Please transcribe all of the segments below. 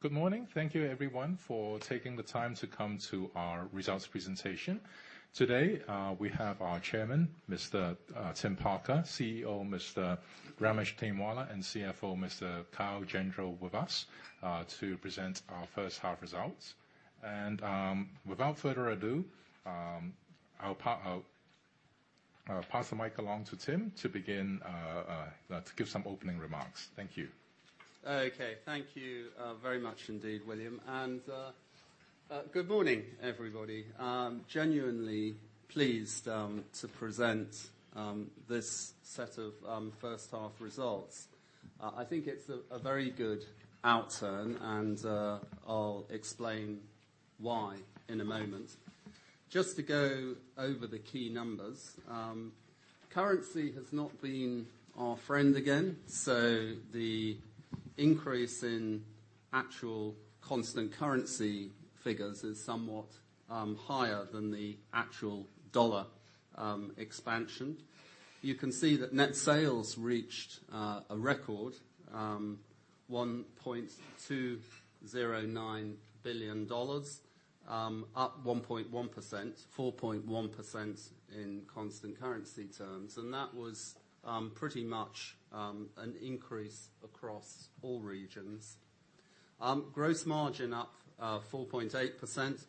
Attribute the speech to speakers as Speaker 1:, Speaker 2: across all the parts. Speaker 1: Good morning. Thank you everyone for taking the time to come to our results presentation. Today, we have our Chairman, Mr. Tim Parker, CEO, Mr. Ramesh Tainwala, and CFO, Mr. Kyle Gendreau with us to present our first half results. Without further ado, I'll pass the mic along to Tim to give some opening remarks. Thank you.
Speaker 2: Okay. Thank you very much indeed, William. Good morning, everybody. I'm genuinely pleased to present this set of first half results. I think it's a very good outturn, and I'll explain why in a moment. Just to go over the key numbers. Currency has not been our friend again, so the increase in actual constant currency figures is somewhat higher than the actual dollar expansion. You can see that net sales reached a record, $1.209 billion, up 1.1%, 4.1% in constant currency terms. That was pretty much an increase across all regions. Gross margin up 4.8%.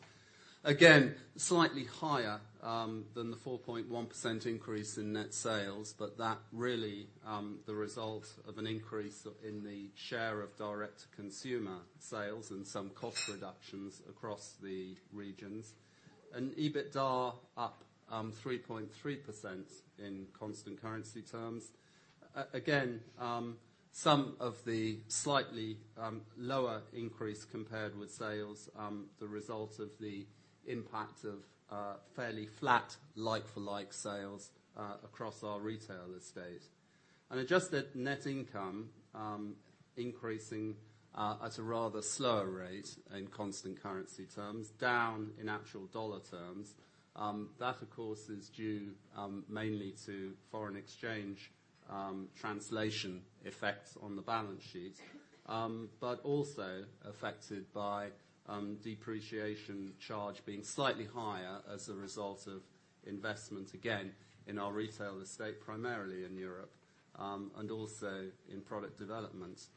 Speaker 2: Again, slightly higher than the 4.1% increase in net sales, but that really the result of an increase in the share of direct consumer sales and some cost reductions across the regions. EBITDA up 3.3% in constant currency terms. Again, some of the slightly lower increase compared with sales, the result of the impact of fairly flat like-for-like sales across our retailer estate. Adjusted net income increasing at a rather slower rate in constant currency terms, down in actual dollar terms. That, of course, is due mainly to foreign exchange translation effects on the balance sheet, but also affected by depreciation charge being slightly higher as a result of investment, again, in our retail estate, primarily in Europe, and also in product developments.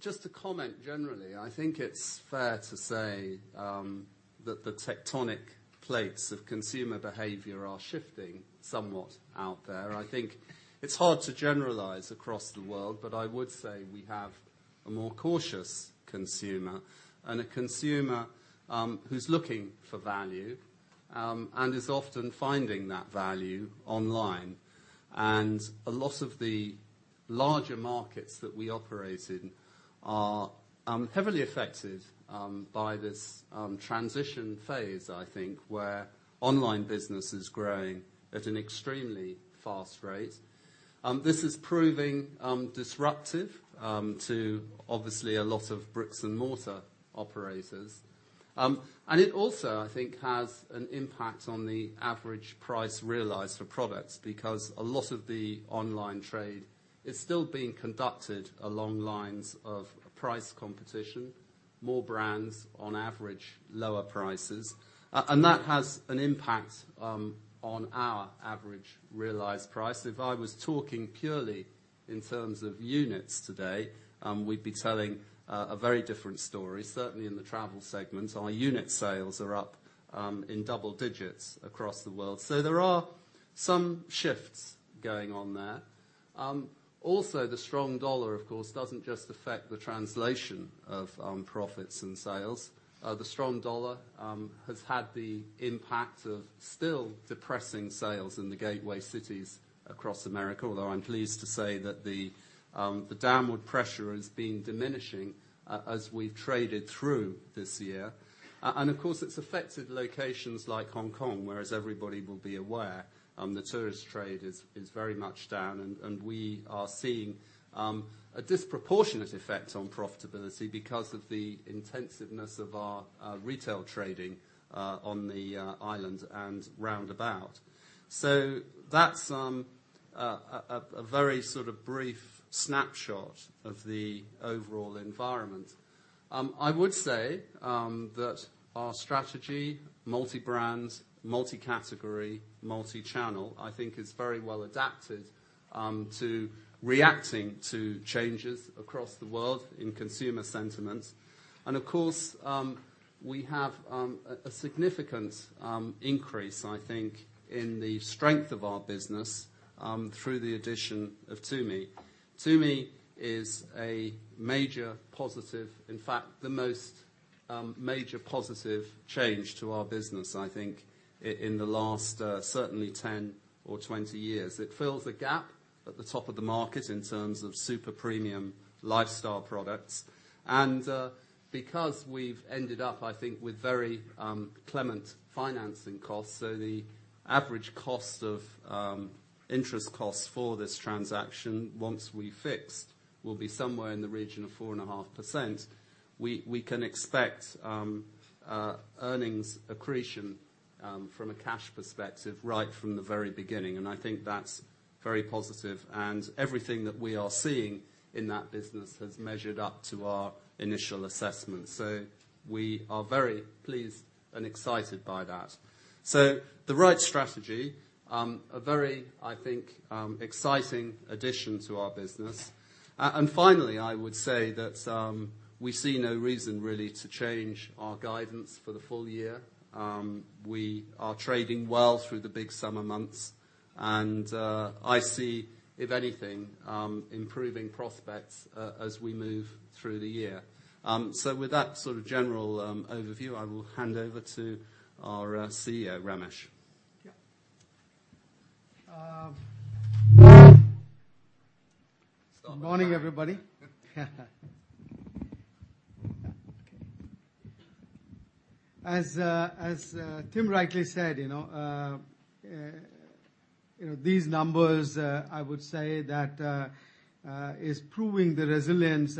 Speaker 2: Just to comment generally, I think it's fair to say that the tectonic plates of consumer behavior are shifting somewhat out there. I think it's hard to generalize across the world, but I would say we have a more cautious consumer, and a consumer who's looking for value, and is often finding that value online. A lot of the larger markets that we operate in are heavily affected by this transition phase, I think, where online business is growing at an extremely fast rate. This is proving disruptive to obviously a lot of bricks and mortar operators. It also, I think, has an impact on the average price realized for products, because a lot of the online trade is still being conducted along lines of price competition, more brands, on average, lower prices. That has an impact on our average realized price. If I was talking purely in terms of units today, we'd be telling a very different story. Certainly in the travel segment, our unit sales are up in double digits across the world. There are some shifts going on there. Also, the strong dollar, of course, doesn't just affect the translation of profits and sales. The strong dollar has had the impact of still depressing sales in the gateway cities across America, although I am pleased to say that the downward pressure has been diminishing as we've traded through this year. Of course, it's affected locations like Hong Kong, whereas everybody will be aware the tourist trade is very much down, and we are seeing a disproportionate effect on profitability because of the intensiveness of our retail trading on the island and roundabout. That's a very sort of brief snapshot of the overall environment. I would say that our strategy, multi-brand, multi-category, multi-channel, I think is very well adapted to reacting to changes across the world in consumer sentiment. Of course, we have a significant increase, I think, in the strength of our business through the addition of Tumi. Tumi is a major positive, in fact, the most major positive change to our business, I think, in the last certainly 10 or 20 years. It fills a gap at the top of the market in terms of super premium lifestyle products. Because we've ended up, I think, with very clement financing costs, so the average cost of interest costs for this transaction, once we fixed, will be somewhere in the region of 4.5%. We can expect earnings accretion from a cash perspective right from the very beginning. I think that's very positive. Everything that we are seeing in that business has measured up to our initial assessment. We are very pleased and excited by that. The right strategy, a very, I think, exciting addition to our business. Finally, I would say that we see no reason really to change our guidance for the full year. We are trading well through the big summer months. I see, if anything, improving prospects as we move through the year. With that sort of general overview, I will hand over to our CEO, Ramesh.
Speaker 3: Yeah. Good morning, everybody. As Tim rightly said, these numbers, I would say that is proving the resilience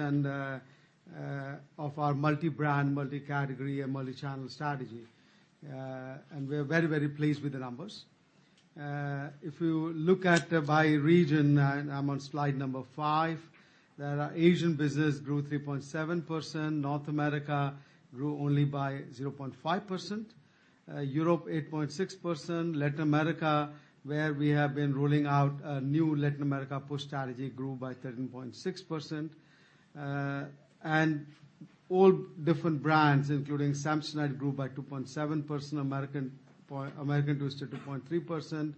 Speaker 3: of our multi-brand, multi-category, and multi-channel strategy. We're very pleased with the numbers. If you look at by region, I'm on slide number five, that our Asian business grew 3.7%, North America grew only by 0.5%, Europe 8.6%, Latin America, where we have been rolling out a new Latin America push strategy, grew by 13.6%. All different brands, including Samsonite Group by 2.7%, American Tourister 2.3%,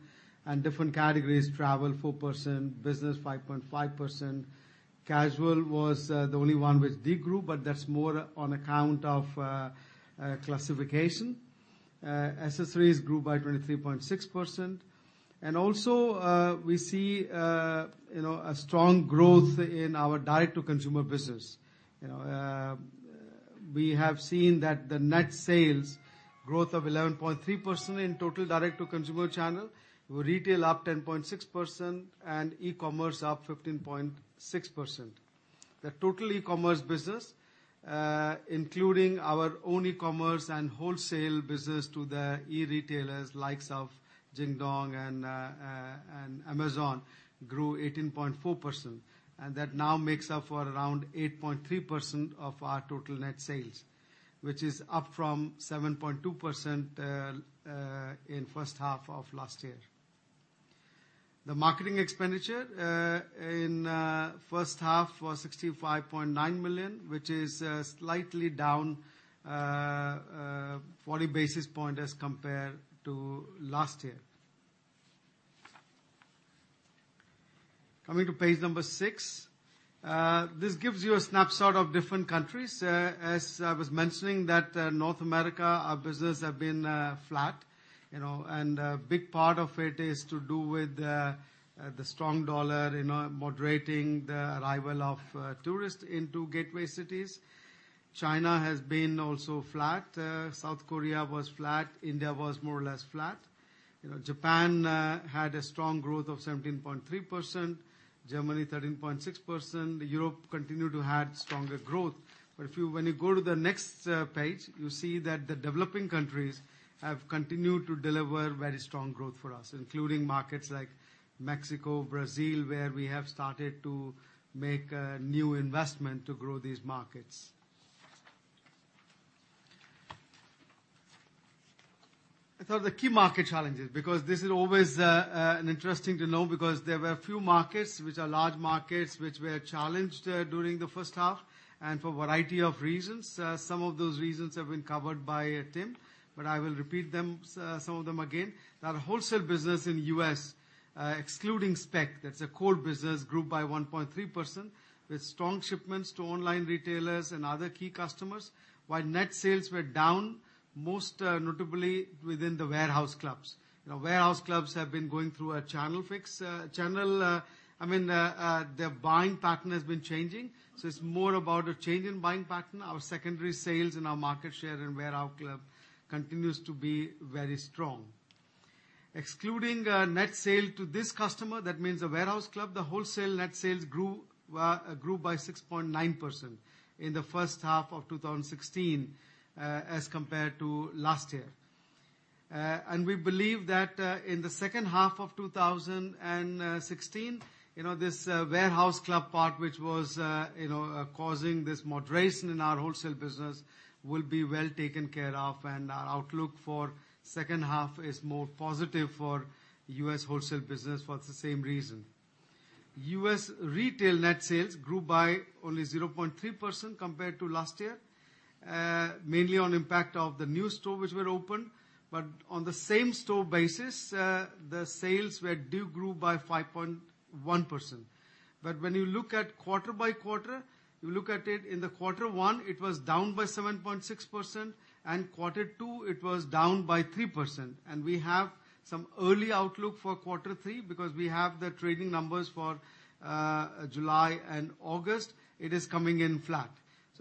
Speaker 3: and different categories, travel 4%, business 5.5%. Casual was the only one which de-grew, but that's more on account of classification. Accessories grew by 23.6%. Also, we see a strong growth in our direct-to-consumer business. We have seen that the net sales growth of 11.3% in total direct-to-consumer channel, with retail up 10.6% and e-commerce up 15.6%. The total e-commerce business including our own e-commerce and wholesale business to the e-retailers likes of Jingdong and Amazon grew 18.4%. That now makes up for around 8.3% of our total net sales, which is up from 7.2% in first half of last year. The marketing expenditure in first half was $65.9 million, which is slightly down 40 basis points as compared to last year. Coming to page number 6. This gives you a snapshot of different countries. As I was mentioning, North America, our business has been flat. A big part of it is to do with the strong dollar moderating the arrival of tourists into gateway cities. China has also been flat. South Korea was flat. India was more or less flat. Japan had a strong growth of 17.3%, Germany 13.6%. Europe continued to have stronger growth. When you go to the next page, you see that the developing countries have continued to deliver very strong growth for us, including markets like Mexico, Brazil, where we have started to make a new investment to grow these markets. I thought the key market challenges, because this is always an interesting to know because there were few markets which are large markets, which were challenged during the first half and for a variety of reasons. Some of those reasons have been covered by Tim, but I will repeat some of them again. Wholesale business in U.S. excluding Speck, that's a core business, grew by 1.3% with strong shipments to online retailers and other key customers. While net sales were down, most notably within the warehouse clubs. Warehouse clubs have been going through a channel fix. Their buying pattern has been changing. It's more about a change in buying pattern. Our secondary sales and our market share in warehouse club continues to be very strong. Excluding net sale to this customer, that means a warehouse club, the wholesale net sales grew by 6.9% in the first half of 2016 as compared to last year. We believe that in the second half of 2016, this warehouse club part which was causing this moderation in our wholesale business will be well taken care of and our outlook for second half is more positive for U.S. wholesale business for the same reason. U.S. retail net sales grew by only 0.3% compared to last year. Mainly on impact of the new stores which were opened. On the same store basis, the sales did grow by 5.1%. When you look at quarter by quarter, you look at it in the quarter one, it was down by 7.6%, and quarter two, it was down by 3%. We have some early outlook for quarter three because we have the trading numbers for July and August. It is coming in flat.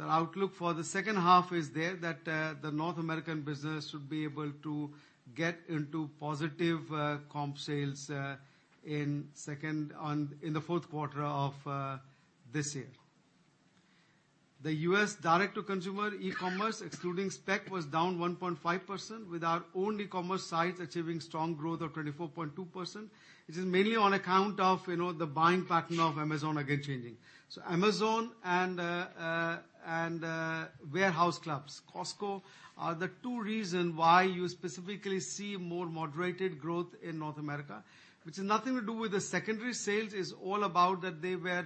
Speaker 3: Outlook for the second half is there that the North American business should be able to get into positive comp sales in the fourth quarter of this year. The U.S. direct-to-consumer e-commerce, excluding Speck, was down 1.5%, with our own e-commerce sites achieving strong growth of 24.2%. This is mainly on account of the buying pattern of Amazon, again, changing. Amazon and warehouse clubs, Costco, are the two reasons why you specifically see more moderated growth in North America, which has nothing to do with the secondary sales. It's all about that they were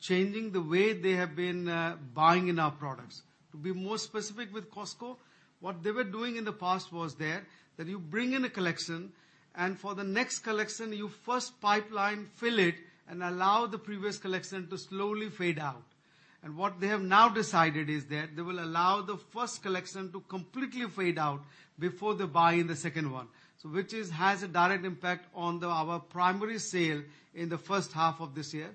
Speaker 3: changing the way they have been buying our products. To be more specific with Costco, what they were doing in the past was they bring in a collection, and for the next collection, you first pipeline fill it and allow the previous collection to slowly fade out. What they have now decided is that they will allow the first collection to completely fade out before they buy in the second one. Which has a direct impact on our primary sale in the first half of this year.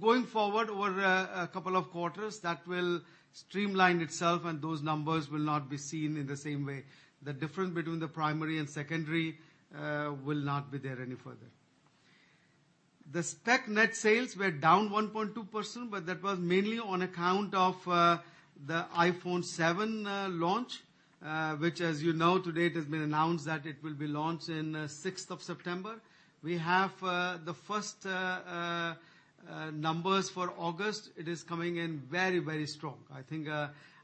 Speaker 3: Going forward, over a couple of quarters, that will streamline itself, and those numbers will not be seen in the same way. The difference between the primary and secondary will not be there any further. The Speck net sales were down 1.2%, but that was mainly on account of the iPhone 7 launch, which as you know, today it has been announced that it will be launched on the 6th of September. We have the first numbers for August. It is coming in very strong. I think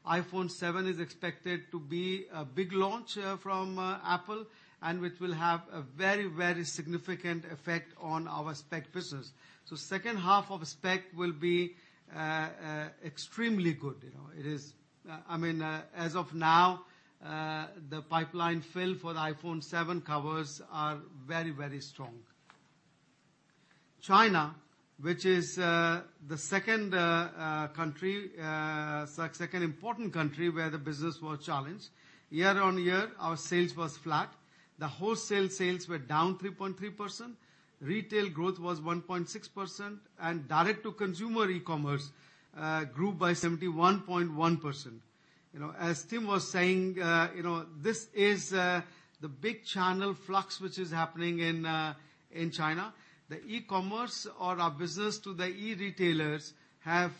Speaker 3: iPhone 7 is expected to be a big launch from Apple, and which will have a very significant effect on our Speck business. The second half of Speck will be extremely good. As of now, the pipeline fill for the iPhone 7 covers are very strong. China, which is the second important country where the business was challenged. Year-on-year, our sales was flat. The wholesale sales were down 3.3%. Retail growth was 1.6%, and direct-to-consumer e-commerce grew by 71.1%. As Tim was saying, this is the big channel flux which is happening in China. The e-commerce or our business to the e-retailers have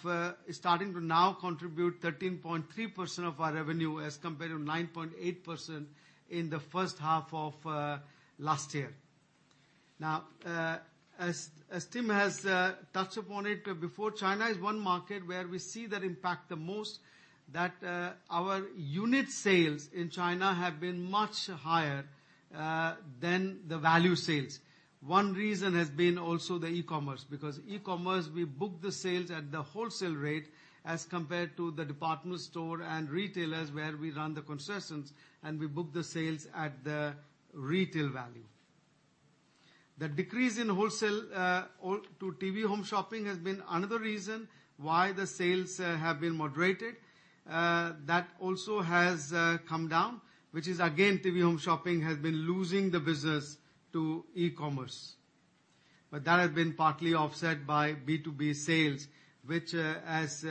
Speaker 3: starting to now contribute 13.3% of our revenue as compared to 9.8% in the first half of last year. As Tim has touched upon it before, China is one market where we see that impact the most, that our unit sales in China have been much higher than the value sales. One reason has been also the e-commerce, because e-commerce, we book the sales at the wholesale rate as compared to the department store and retailers, where we run the concessions and we book the sales at the retail value. The decrease in wholesale to TV home shopping has been another reason why the sales have been moderated. That also has come down, which is again, TV home shopping has been losing the business to e-commerce. That has been partly offset by B2B sales, which, as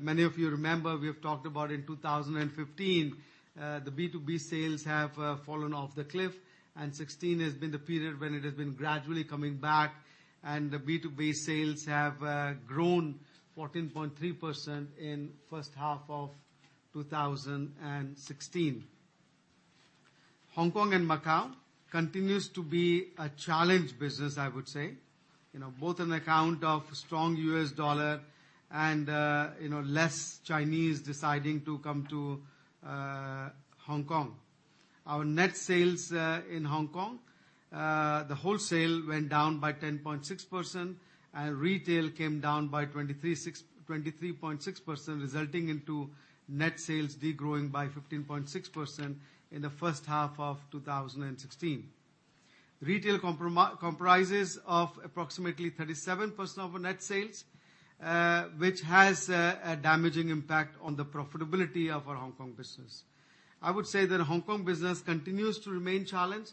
Speaker 3: many of you remember, we have talked about in 2015, the B2B sales have fallen off the cliff, and 2016 has been the period when it has been gradually coming back. The B2B sales have grown 14.3% in the first half of 2016. Hong Kong and Macau continues to be a challenged business, I would say, both on account of strong US dollar and less Chinese deciding to come to Hong Kong. Our net sales in Hong Kong, the wholesale went down by 10.6%, and retail came down by 23.6%, resulting into net sales degrowing by 15.6% in the first half of 2016. Retail comprises of approximately 37% of our net sales, which has a damaging impact on the profitability of our Hong Kong business. I would say that Hong Kong business continues to remain challenged,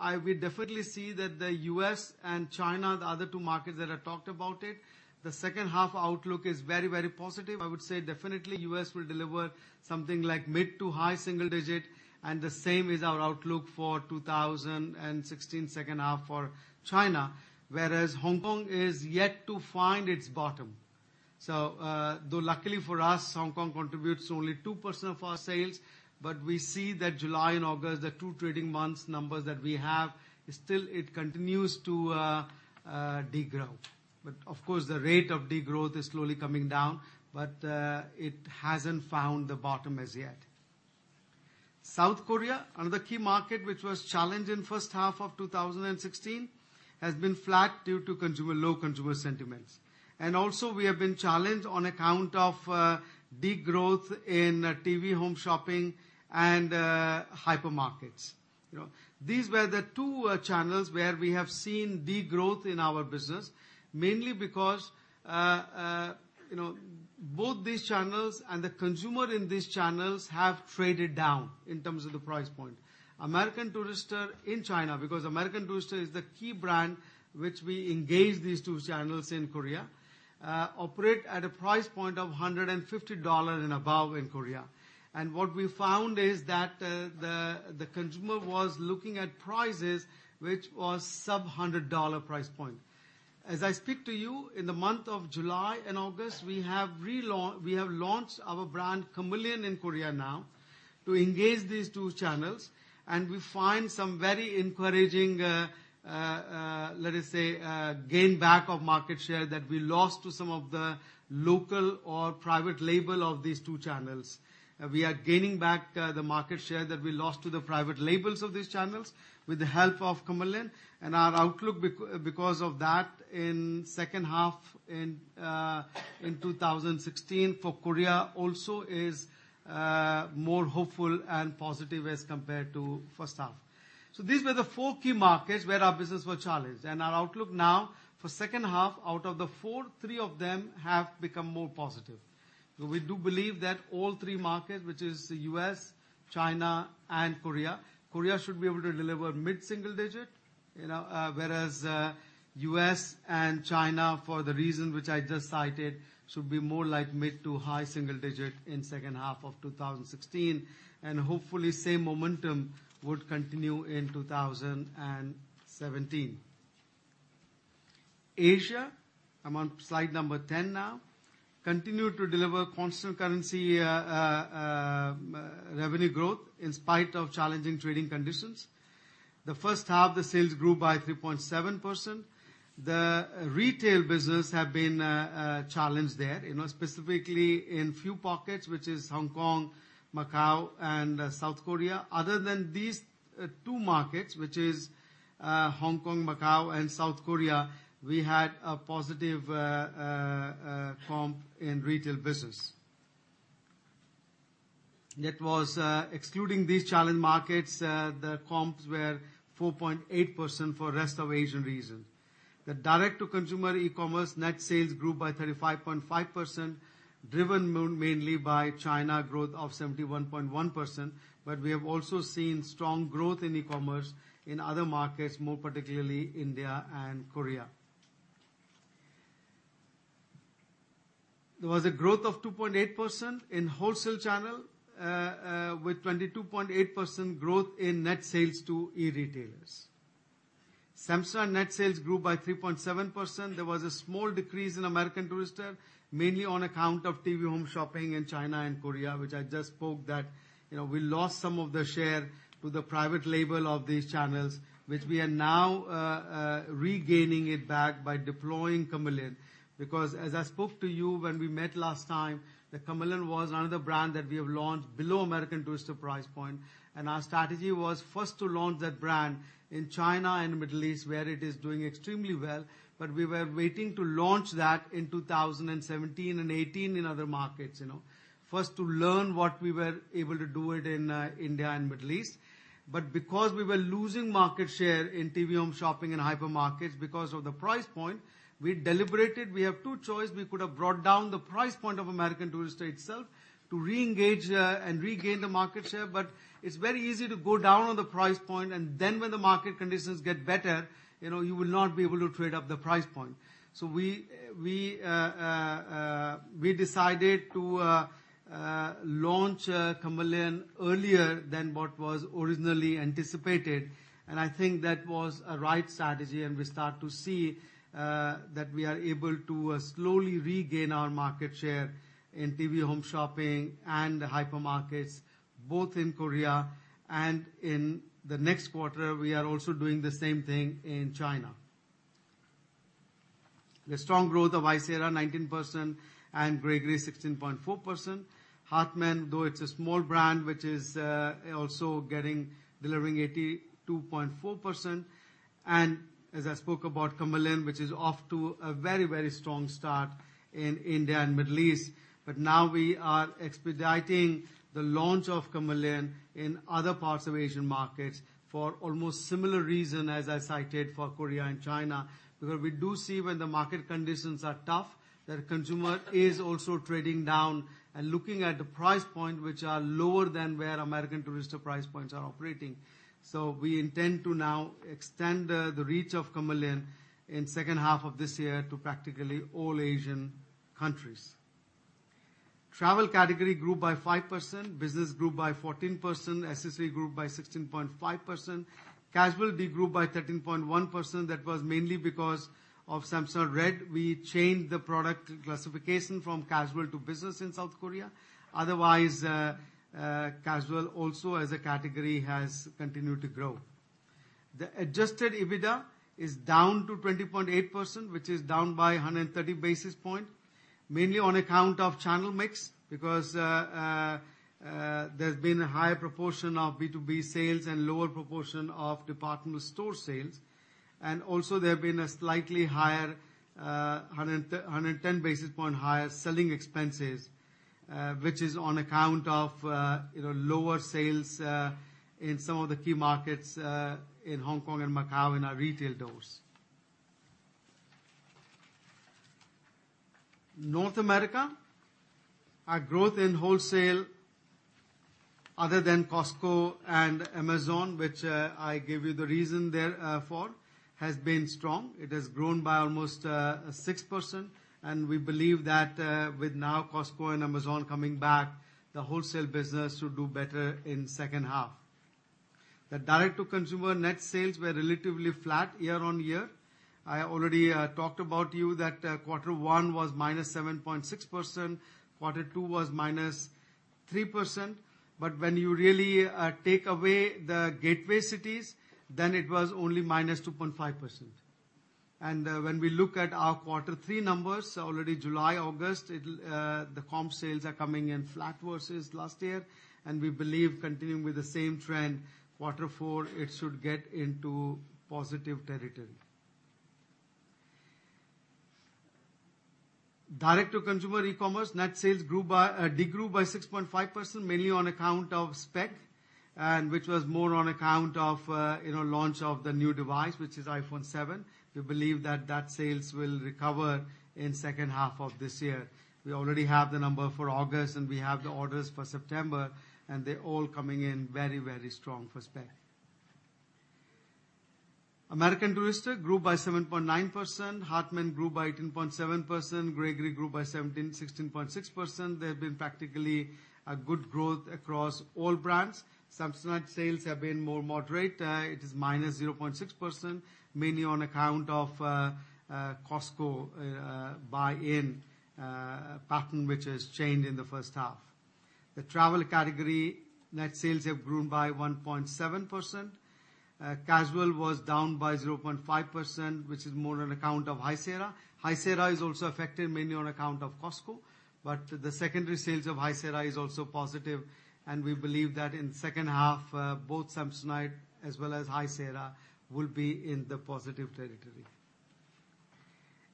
Speaker 3: I will definitely see that the U.S. and China, the other two markets that I talked about it, the second half outlook is very positive. I would say definitely, U.S. will deliver something like mid-to-high single digit, and the same is our outlook for 2016 second half for China. Whereas Hong Kong is yet to find its bottom. Though luckily for us, Hong Kong contributes only 2% of our sales, we see that July and August, the two trading months numbers that we have, still it continues to degrow. Of course, the rate of degrowth is slowly coming down. It hasn't found the bottom as yet. South Korea, another key market which was challenged in first half of 2016, has been flat due to low consumer sentiments. Also we have been challenged on account of degrowth in TV home shopping and hypermarkets. These were the two channels where we have seen degrowth in our business, mainly because both these channels and the consumer in these channels have traded down in terms of the price point. American Tourister in China, because American Tourister is the key brand which we engage these two channels in Korea, operate at a price point of $150 and above in Korea. What we found is that the consumer was looking at prices which was sub-$100 price point. As I speak to you, in the month of July and August, we have launched our brand, Kamiliant, in Korea now to engage these two channels, we find some very encouraging, let us say, gain back of market share that we lost to some of the local or private label of these two channels. We are gaining back the market share that we lost to the private labels of these channels with the help of Kamiliant, our outlook because of that in second half in 2016 for Korea also is more hopeful and positive as compared to first half. These were the four key markets where our business were challenged, our outlook now for second half, out of the four, three of them have become more positive. We do believe that all three markets, which is the U.S., China and Korea should be able to deliver mid-single digit, whereas U.S. and China, for the reason which I just cited, should be more like mid-to-high single digit in second half of 2016. Hopefully, the same momentum would continue in 2017. Asia, I'm on slide number 10 now, continued to deliver constant currency revenue growth in spite of challenging trading conditions. The first half, the sales grew by 3.7%. The retail business have been challenged there, specifically in few pockets, which is Hong Kong, Macau, and South Korea. Other than these two markets, which is Hong Kong, Macau and South Korea, we had a positive comp in retail business. That was excluding these challenged markets, the comps were 4.8% for rest of Asian region. The direct-to-consumer e-commerce net sales grew by 35.5%, driven mainly by China growth of 71.1%, but we have also seen strong growth in e-commerce in other markets, more particularly India and Korea. There was a growth of 2.8% in wholesale channel, with 22.8% growth in net sales to e-retailers. Samsonite net sales grew by 3.7%. There was a small decrease in American Tourister, mainly on account of TV home shopping in China and Korea, which I just spoke that we lost some of the share to the private label of these channels, which we are now regaining it back by deploying Kamiliant. Because as I spoke to you when we met last time, that Kamiliant was another brand that we have launched below American Tourister price point, and our strategy was first to launch that brand in China and Middle East, where it is doing extremely well. We were waiting to launch that in 2017 and 2018 in other markets. First to learn what we were able to do it in India and Middle East. Because we were losing market share in TV home shopping and hypermarkets because of the price point, we deliberated. We have two choice. We could have brought down the price point of American Tourister itself to re-engage and regain the market share. It's very easy to go down on the price point, and then when the market conditions get better, you will not be able to trade up the price point. We decided to launch Kamiliant earlier than what was originally anticipated, and I think that was a right strategy, and we start to see that we are able to slowly regain our market share in TV home shopping and hypermarkets, both in Korea, and in the next quarter, we are also doing the same thing in China. The strong growth of High Sierra, 19%, and Gregory, 16.4%. Hartmann, though it's a small brand, which is also delivering 82.4%. As I spoke about Kamiliant, which is off to a very strong start in India and Middle East. But now we are expediting the launch of Kamiliant in other parts of Asian markets for almost similar reason as I cited for Korea and China. Because we do see when the market conditions are tough, that consumer is also trading down and looking at the price point, which are lower than where American Tourister price points are operating. So we intend to now extend the reach of Kamiliant in second half of this year to practically all Asian countries. Travel category grew by 5%, business grew by 14%, SSA grew by 16.5%. Casual de-grew by 13.1%. That was mainly because of Samsonite RED. We changed the product classification from casual to business in South Korea. Otherwise, casual also as a category has continued to grow. The adjusted EBITDA is down to 20.8%, which is down by 130 basis point, mainly on account of channel mix because there's been a higher proportion of B2B sales and lower proportion of department store sales. Also, there have been a slightly higher, 110 basis points higher selling expenses, which is on account of lower sales in some of the key markets in Hong Kong and Macau in our retail stores. North America, our growth in wholesale, other than Costco and Amazon, which I give you the reason there for, has been strong. It has grown by almost 6%, and we believe that with now Costco and Amazon coming back, the wholesale business should do better in second half. The direct-to-consumer net sales were relatively flat year-on-year. I already talked about you that quarter one was -7.6%, quarter two was -3%. When you really take away the gateway cities, then it was only -2.5%. When we look at our quarter three numbers, already July, August, the comp sales are coming in flat versus last year, and we believe continuing with the same trend, quarter four, it should get into positive territory. Direct-to-consumer e-commerce net sales degrew by 6.5%, mainly on account of Speck, which was more on account of launch of the new device, which is iPhone 7. We believe that sales will recover in second half of this year. We already have the number for August, and we have the orders for September, and they're all coming in very, very strong for Speck. American Tourister grew by 7.9%, Hartmann grew by 18.7%, Gregory grew by 16.6%. There have been practically a good growth across all brands. Samsonite sales have been more moderate. It is -0.6%, mainly on account of Costco buy-in pattern, which has changed in the first half. The travel category net sales have grown by 1.7%. Casual was down by 0.5%, which is more on account of High Sierra. High Sierra is also affected mainly on account of Costco, but the secondary sales of High Sierra is also positive, and we believe that in second half, both Samsonite as well as High Sierra will be in the positive territory.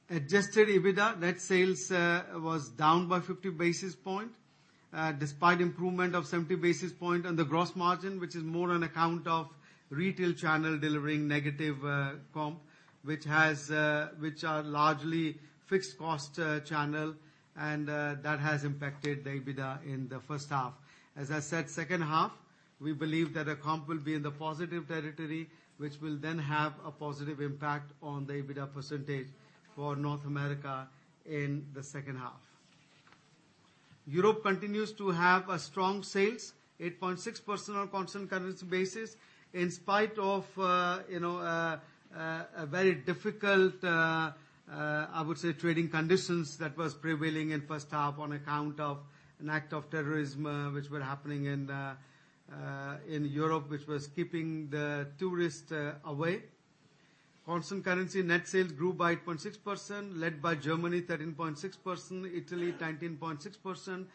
Speaker 3: Adjusted EBITDA net sales was down by 50 basis points, despite improvement of 70 basis points on the gross margin, which is more on account of retail channel delivering negative comp, which are largely fixed cost channel, and that has impacted the EBITDA in the first half. As I said, second half, we believe that the comp will be in the positive territory, which will then have a positive impact on the EBITDA percentage for North America in the second half. Europe continues to have strong sales, 8.6% on constant currency basis, in spite of a very difficult, I would say, trading conditions that was prevailing in first half on account of an act of terrorism which were happening in Europe, which was keeping the tourists away. Constant currency net sales grew by 8.6%, led by Germany, 13.6%, Italy, 19.6%,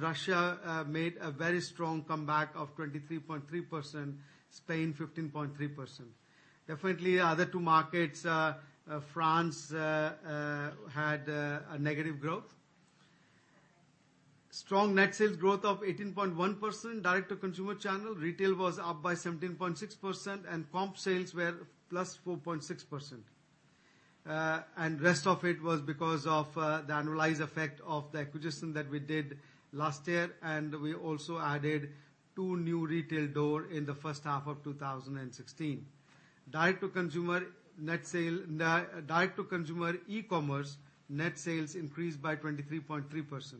Speaker 3: Russia made a very strong comeback of 23.3%, Spain, 15.3%. Definitely, other two markets, France had a negative growth. Strong net sales growth of 18.1%. Direct-to-consumer channel retail was up by 17.6%, and comp sales were +4.6%. Rest of it was because of the annualized effect of the acquisition that we did last year, and we also added two new retail doors in the first half of 2016. Direct-to-consumer e-commerce net sales increased by 23.3%.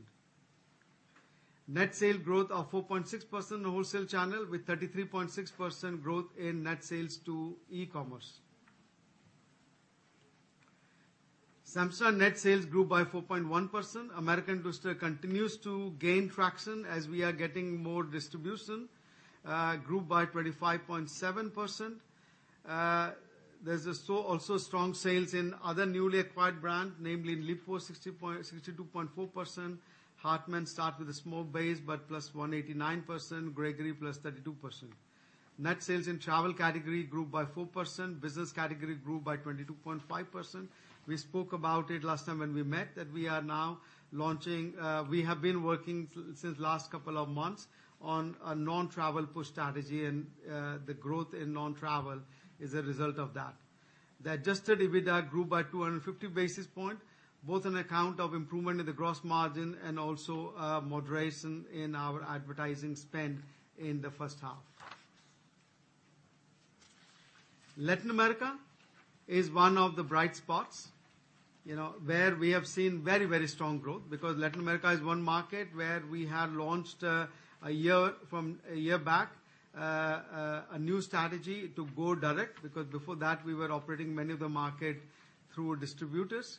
Speaker 3: Net sales growth of 4.6% in the wholesale channel with 33.6% growth in net sales to e-commerce. Samsonite net sales grew by 4.1%. American Tourister continues to gain traction as we are getting more distribution. Grew by 25.7%. There's also strong sales in other newly acquired brands, namely Lipault 62.4%, Hartmann started with a small base, but +189%, Gregory +32%. Net sales in travel category grew by 4%. Business category grew by 22.5%. We spoke about it last time when we met that we have been working since last couple of months on a non-travel push strategy and the growth in non-travel is a result of that. The adjusted EBITDA grew by 250 basis points, both on account of improvement in the gross margin and also a moderation in our advertising spend in the first half. Latin America is one of the bright spots where we have seen very, very strong growth because Latin America is one market where we had launched, from a year back, a new strategy to go direct, because before that, we were operating many of the markets through distributors.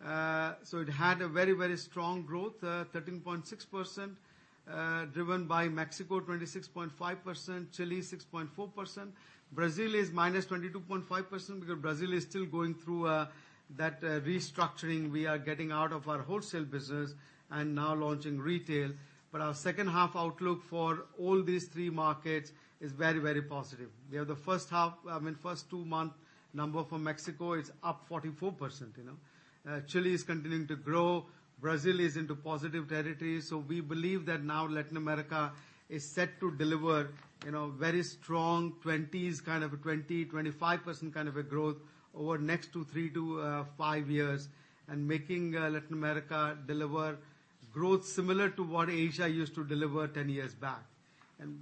Speaker 3: It had a very, very strong growth, 13.6%, driven by Mexico, 26.5%, Chile, 6.4%. Brazil is -22.5% because Brazil is still going through that restructuring. We are getting out of our wholesale business and now launching retail. Our second half outlook for all these three markets is very, very positive. The first two month number for Mexico is up 44%. Chile is continuing to grow. Brazil is into positive territory. We believe that now Latin America is set to deliver very strong 20%-25% kind of a growth over next three to five years and making Latin America deliver growth similar to what Asia used to deliver 10 years back.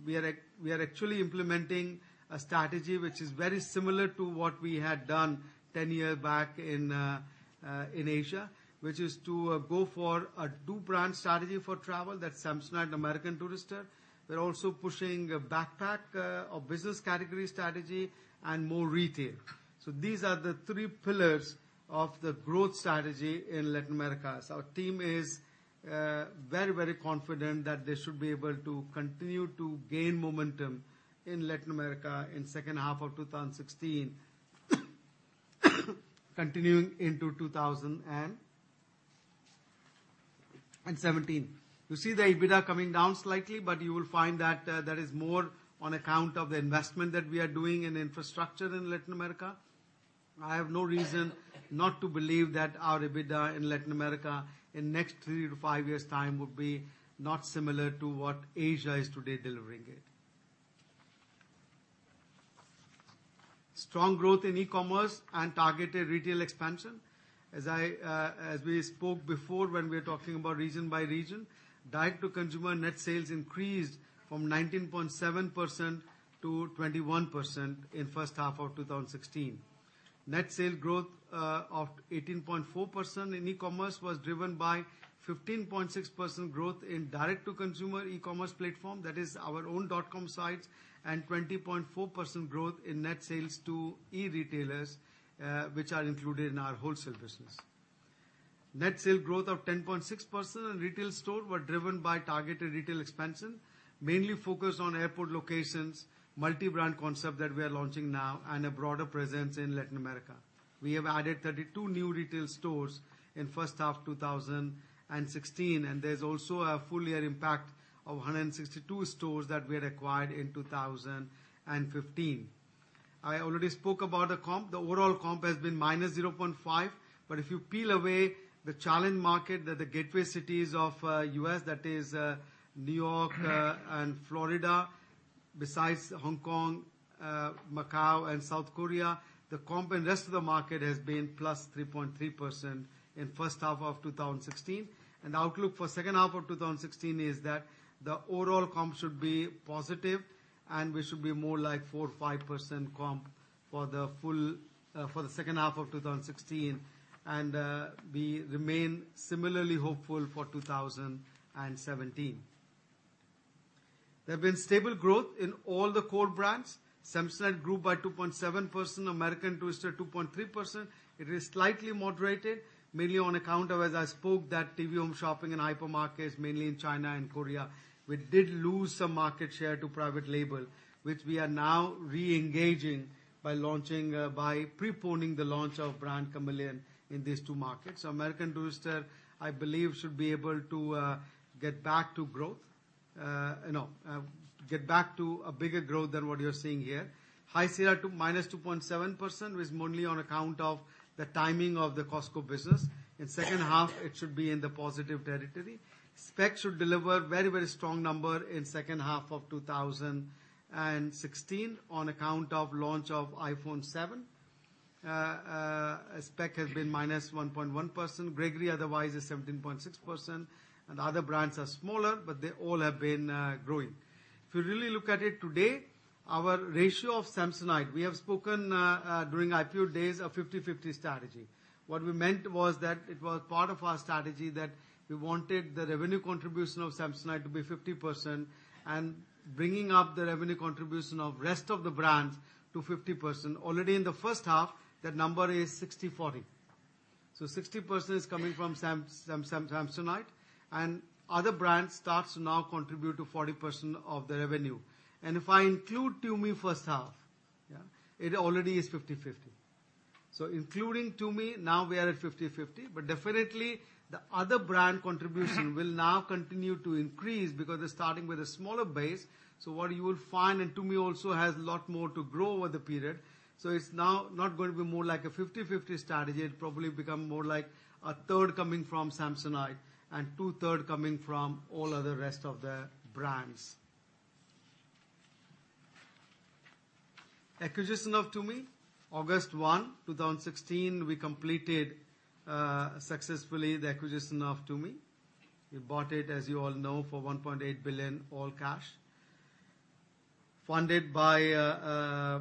Speaker 3: We are actually implementing a strategy which is very similar to what we had done 10 years back in Asia, which is to go for a two-brand strategy for travel, that's Samsonite and American Tourister. We're also pushing a backpack or business category strategy and more retail. These are the three pillars of the growth strategy in Latin America. Our team is very confident that they should be able to continue to gain momentum in Latin America in second half of 2016, continuing into 2017. You see the EBITDA coming down slightly, you will find that there is more on account of the investment that we are doing in infrastructure in Latin America. I have no reason not to believe that our EBITDA in Latin America in next three to five years' time will be not similar to what Asia is today delivering it. Strong growth in e-commerce and targeted retail expansion. As we spoke before when we were talking about region by region, direct-to-consumer net sales increased from 19.7%-21% in first half of 2016. Net sales growth of 18.4% in e-commerce was driven by 15.6% growth in direct-to-consumer e-commerce platform. That is our own dot-com sites and 20.4% growth in net sales to e-retailers, which are included in our wholesale business. Net sale growth of 10.6% in retail store were driven by targeted retail expansion, mainly focused on airport locations, multi-brand concept that we are launching now, and a broader presence in Latin America. We have added 32 new retail stores in first half 2016, and there's also a full year impact of 162 stores that we acquired in 2015. I already spoke about the comp. The overall comp has been -0.5%, but if you peel away the challenge market that the gateway cities of U.S. that is New York and Florida, besides Hong Kong, Macau and South Korea, the comp in rest of the market has been +3.3% in first half of 2016. Outlook for second half of 2016 is that the overall comp should be positive, and we should be more like 4% or 5% comp for the second half of 2016, and we remain similarly hopeful for 2017. There have been stable growth in all the core brands. Samsonite Group by 2.7%, American Tourister 2.3%. It is slightly moderated, mainly on account of, as I spoke, that TV home shopping and hypermarkets mainly in China and Korea. We did lose some market share to private label, which we are now reengaging by preponing the launch of brand Kamiliant in these two markets. So American Tourister, I believe, should be able to get back to a bigger growth than what you're seeing here. High Sierra, -2.7%, was mainly on account of the timing of the Costco business. In second half, it should be in the positive territory. Speck should deliver very strong number in second half of 2016 on account of launch of iPhone 7. Speck has been -1.1%. Gregory, otherwise, is 17.6%, and other brands are smaller, but they all have been growing. If you really look at it today, our ratio of Samsonite, we have spoken during our few days a 50-50 strategy. What we meant was that it was part of our strategy that we wanted the revenue contribution of Samsonite to be 50% and bringing up the revenue contribution of rest of the brands to 50%. Already in the first half, that number is 60-40. So 60% is coming from Samsonite and other brands starts to now contribute to 40% of the revenue. If I include Tumi first half, it already is 50-50. Including Tumi, now we are at 50-50, but definitely the other brand contribution will now continue to increase because they're starting with a smaller base. What you will find, and Tumi also has a lot more to grow over the period, so it's now not going to be more like a 50-50 strategy. It probably become more like a third coming from Samsonite and two third coming from all other rest of the brands. Acquisition of Tumi. August 1, 2016, we completed successfully the acquisition of Tumi. We bought it, as you all know, for $1.8 billion all cash, funded by a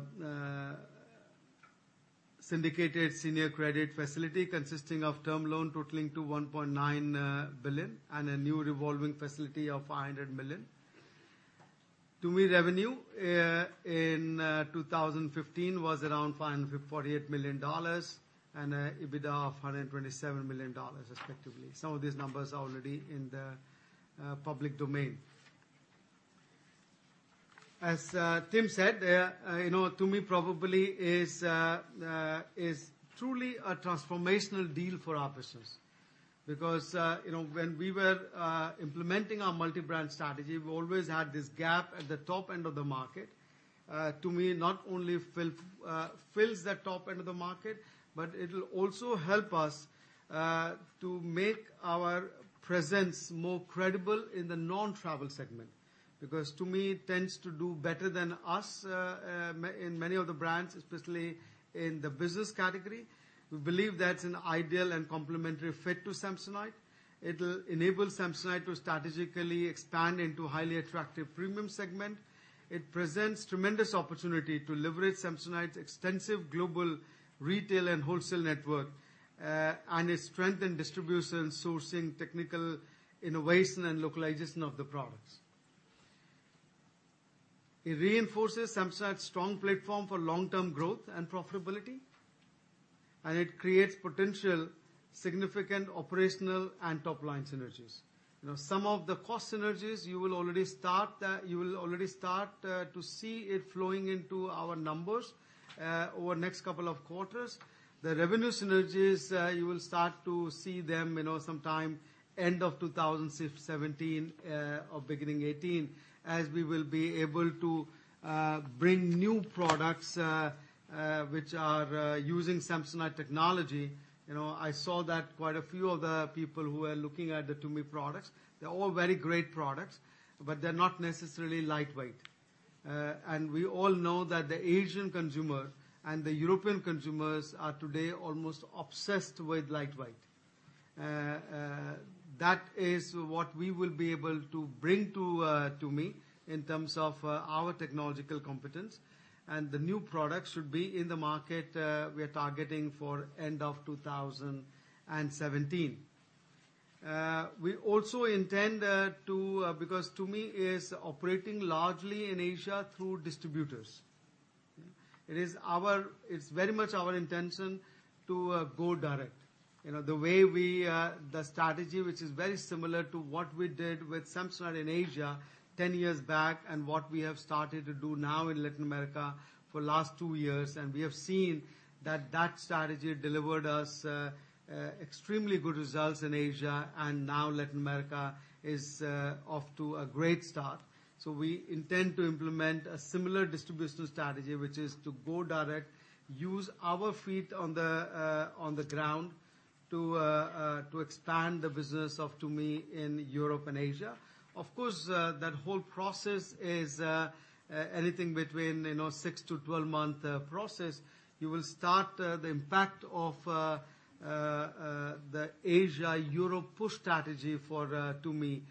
Speaker 3: syndicated senior credit facility consisting of term loan totaling to $1.9 billion and a new revolving facility of $500 million. Tumi revenue in 2015 was around $548 million and EBITDA of $127 million respectively. Some of these numbers are already in the public domain. As Tim said, Tumi probably is truly a transformational deal for our business because when we were implementing our multi-brand strategy, we always had this gap at the top end of the market. Tumi not only fills that top end of the market, but it will also help us to make our presence more credible in the non-travel segment because Tumi tends to do better than us in many of the brands, especially in the business category. We believe that's an ideal and complementary fit to Samsonite. It will enable Samsonite to strategically expand into highly attractive premium segment. It presents tremendous opportunity to leverage Samsonite's extensive global retail and wholesale network and its strength in distribution, sourcing, technical innovation, and localization of the products. It reinforces Samsonite's strong platform for long-term growth and profitability, and it creates potential significant operational and top-line synergies. Some of the cost synergies you will already start to see it flowing into our numbers over the next couple of quarters. The revenue synergies, you will start to see them sometime end of 2017 or beginning 2018, as we will be able to bring new products which are using Samsonite technology. I saw that quite a few of the people who were looking at the Tumi products, they're all very great products, but they're not necessarily lightweight. We all know that the Asian consumer and the European consumers are today almost obsessed with lightweight. That is what we will be able to bring to Tumi in terms of our technological competence. The new products should be in the market, we are targeting for end of 2017. We also intend to, because Tumi is operating largely in Asia through distributors. It's very much our intention to go direct. The strategy which is very similar to what we did with Samsonite in Asia 10 years back, and what we have started to do now in Latin America for the last two years. We have seen that that strategy delivered us extremely good results in Asia, and now Latin America is off to a great start. We intend to implement a similar distribution strategy, which is to go direct, use our feet on the ground to expand the business of Tumi in Europe and Asia. Of course, that whole process is anything between 6 to 12-month process. You will start the impact of the Asia-Europe push strategy for Tumi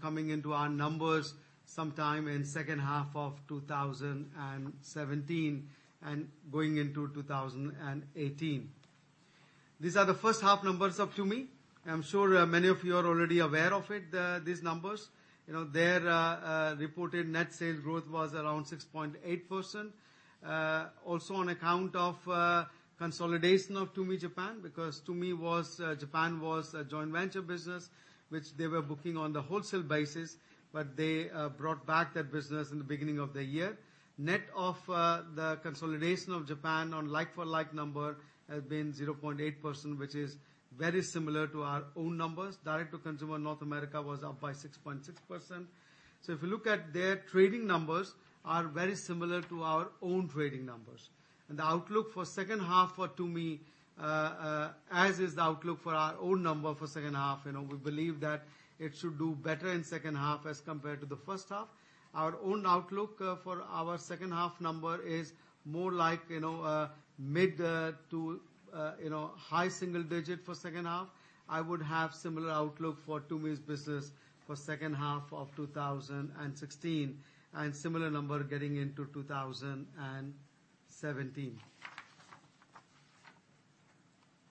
Speaker 3: coming into our numbers sometime in second half of 2017 and going into 2018. These are the first half numbers of Tumi. I'm sure many of you are already aware of it, these numbers. Their reported net sales growth was around 6.8%. Also on account of consolidation of Tumi Japan, because Tumi Japan was a joint venture business, which they were booking on the wholesale basis, but they brought back that business in the beginning of the year. Net of the consolidation of Japan on like-for-like number has been 0.8%, which is very similar to our own numbers. Direct-to-consumer North America was up by 6.6%. If you look at their trading numbers are very similar to our own trading numbers. The outlook for second half for Tumi, as is the outlook for our own number for second half, we believe that it should do better in second half as compared to the first half. Our own outlook for our second half number is more like mid to high single digit for second half. I would have similar outlook for Tumi's business for second half of 2016, and similar number getting into 2017.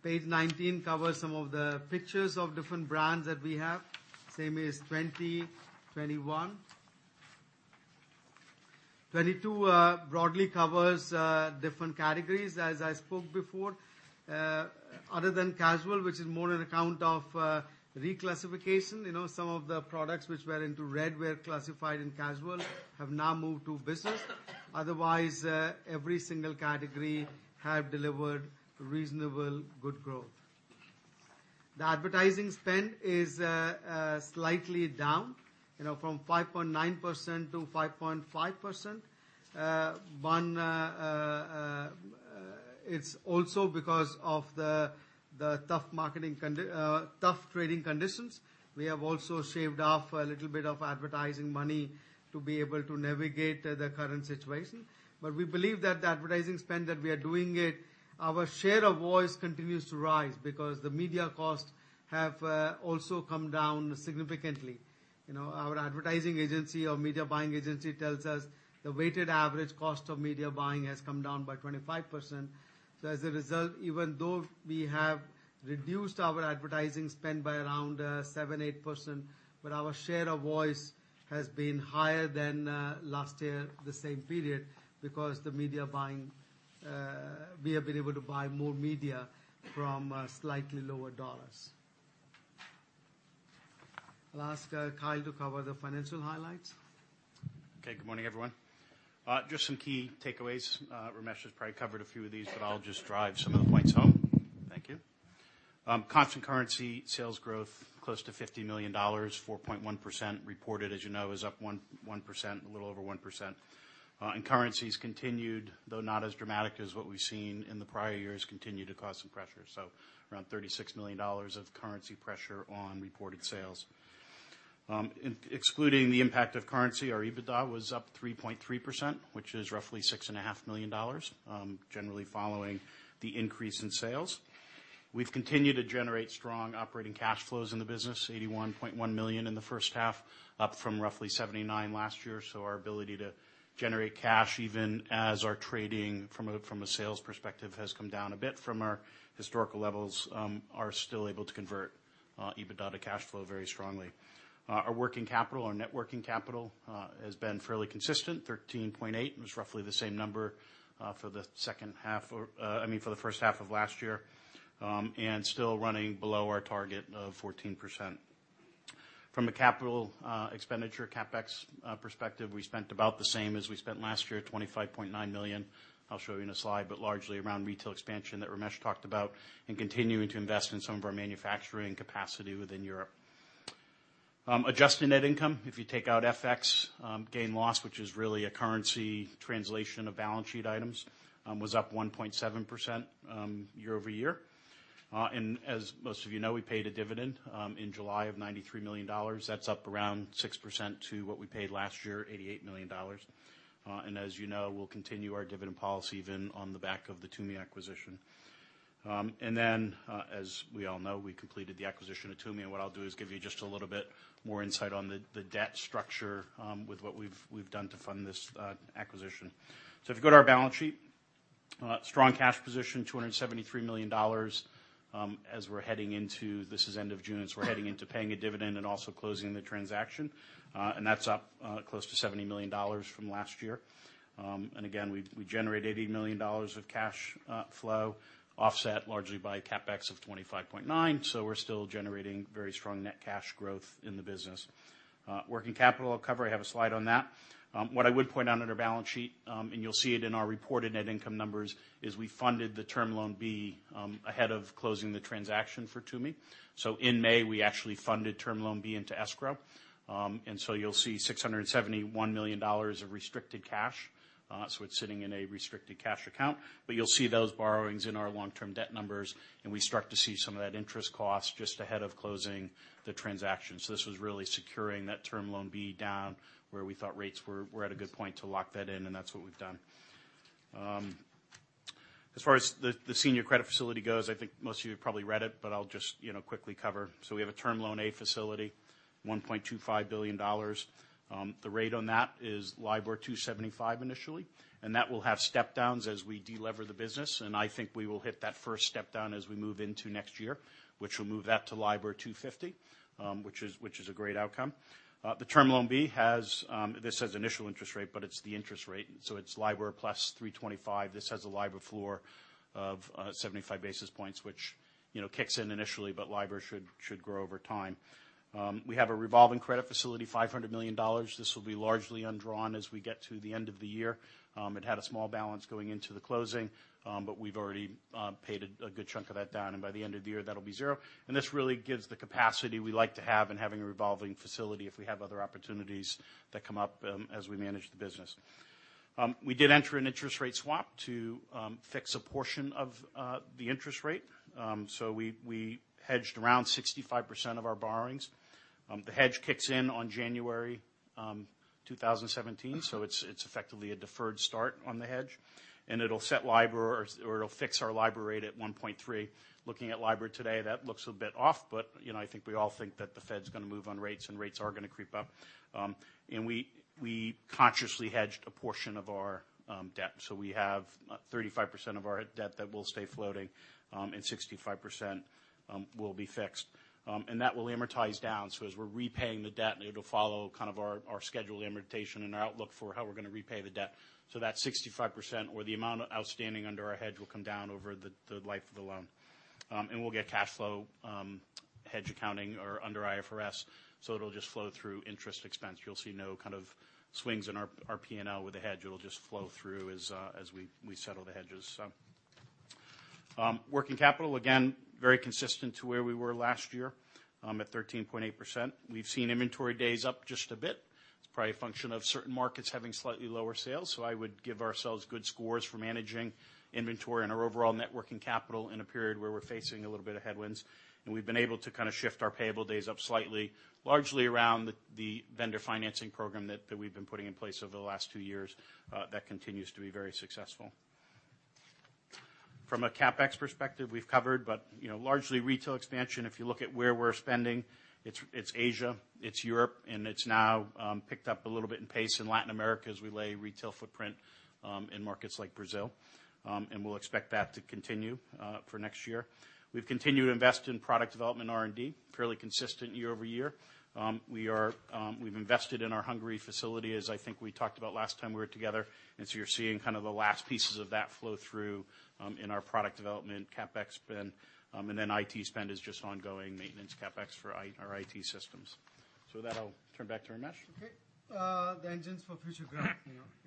Speaker 3: Page 19 covers some of the pictures of different brands that we have. Same as 20, 21. 22 broadly covers different categories as I spoke before. Other than casual, which is more on account of reclassification. Some of the products which were into Samsonite RED were classified in casual have now moved to business. Otherwise, every single category have delivered reasonable good growth. The advertising spend is slightly down from 5.9% to 5.5%. It's also because of the tough trading conditions. We have also shaved off a little bit of advertising money to be able to navigate the current situation. We believe that the advertising spend that we are doing it, our share of voice continues to rise because the media cost have also come down significantly. Our advertising agency or media buying agency tells us the weighted average cost of media buying has come down by 25%. As a result, even though we have reduced our advertising spend by around 7%-8%, our share of voice has been higher than last year, the same period, because we have been able to buy more media from slightly lower dollars. I'll ask Kyle to cover the financial highlights.
Speaker 4: Okay. Good morning, everyone. Just some key takeaways. Ramesh has probably covered a few of these, but I'll just drive some of the points home. Thank you. Constant currency sales growth, close to $50 million, 4.1% reported, as you know, is up 1%, a little over 1%. Currencies continued, though not as dramatic as what we've seen in the prior years, continue to cause some pressure. Around $36 million of currency pressure on reported sales. Excluding the impact of currency, our EBITDA was up 3.3%, which is roughly $6.5 million, generally following the increase in sales. We've continued to generate strong operating cash flows in the business, $81.1 million in the first half, up from roughly $79 last year. Our ability to generate cash even as our trading from a sales perspective has come down a bit from our historical levels, are still able to convert EBITDA cash flow very strongly. Our working capital, our net working capital has been fairly consistent, 13.8%. It was roughly the same number for the first half of last year, and still running below our target of 14%. From a capital expenditure, CapEx perspective, we spent about the same as we spent last year, $25.9 million. I'll show you in a slide, but largely around retail expansion that Ramesh talked about and continuing to invest in some of our manufacturing capacity within Europe. Adjusted net income, if you take out FX gain loss, which is really a currency translation of balance sheet items, was up 1.7% year-over-year. As most of you know, we paid a dividend in July of $93 million. That is up around 6% to what we paid last year, $88 million. As you know, we will continue our dividend policy even on the back of the Tumi acquisition. As we all know, we completed the acquisition of Tumi, and what I will do is give you just a little bit more insight on the debt structure with what we have done to fund this acquisition. If you go to our balance sheet, strong cash position, $273 million. This is end of June, so we are heading into paying a dividend and also closing the transaction. That is up close to $70 million from last year. We generate $80 million of cash flow, offset largely by CapEx of $25.9 million, so we are still generating very strong net cash growth in the business. Working capital, I will cover, I have a slide on that. What I would point out on our balance sheet, you will see it in our reported net income numbers, is we funded the Term Loan B ahead of closing the transaction for Tumi. In May, we actually funded Term Loan B into escrow. You will see $671 million of restricted cash. It is sitting in a restricted cash account, but you will see those borrowings in our long-term debt numbers, and we start to see some of that interest cost just ahead of closing the transaction. This was really securing that Term Loan B down where we thought rates were at a good point to lock that in, and that is what we have done. As far as the senior credit facility goes, I think most of you have probably read it, but I will just quickly cover. We have a Term Loan A facility, $1.25 billion. The rate on that is LIBOR 275 initially, that will have step downs as we de-lever the business. I think we will hit that first step down as we move into next year, which will move that to LIBOR 250, which is a great outcome. The Term Loan B has this says initial interest rate, but it is the interest rate, it is LIBOR plus 325. This has a LIBOR floor of 75 basis points, which kicks in initially, but LIBOR should grow over time. We have a revolving credit facility, $500 million. This will be largely undrawn as we get to the end of the year. It had a small balance going into the closing, but we have already paid a good chunk of that down, and by the end of the year, that will be zero. This really gives the capacity we like to have in having a revolving facility if we have other opportunities that come up as we manage the business. We did enter an interest rate swap to fix a portion of the interest rate. We hedged around 65% of our borrowings. The hedge kicks in on January 2017, it is effectively a deferred start on the hedge, and it will set LIBOR or it will fix our LIBOR rate at 1.3%. Looking at LIBOR today, that looks a bit off, but I think we all think that the Fed is going to move on rates, and rates are going to creep up. We consciously hedged a portion of our debt. We have 35% of our debt that will stay floating, and 65% will be fixed. That will amortize down, as we're repaying the debt, it'll follow our scheduled amortization and our outlook for how we're going to repay the debt. That 65% or the amount outstanding under our hedge will come down over the life of the loan. We'll get cash flow hedge accounting or under IFRS, so it'll just flow through interest expense. You'll see no kind of swings in our P&L with the hedge. It'll just flow through as we settle the hedges. Working capital, again, very consistent to where we were last year at 13.8%. We've seen inventory days up just a bit. It's probably a function of certain markets having slightly lower sales, so I would give ourselves good scores for managing inventory and our overall net working capital in a period where we're facing a little bit of headwinds. We've been able to shift our payable days up slightly, largely around the vendor financing program that we've been putting in place over the last two years. That continues to be very successful. From a CapEx perspective, we've covered, but largely retail expansion, if you look at where we're spending, it's Asia, it's Europe, and it's now picked up a little bit in pace in Latin America as we lay retail footprint in markets like Brazil. We'll expect that to continue for next year. We've continued to invest in product development and R&D, fairly consistent year-over-year. We've invested in our Hungary facility, as I think we talked about last time we were together. You're seeing the last pieces of that flow through in our product development CapEx spend, and then IT spend is just ongoing maintenance CapEx for our IT systems. With that, I'll turn back to Ramesh.
Speaker 3: Okay. The engines for future growth.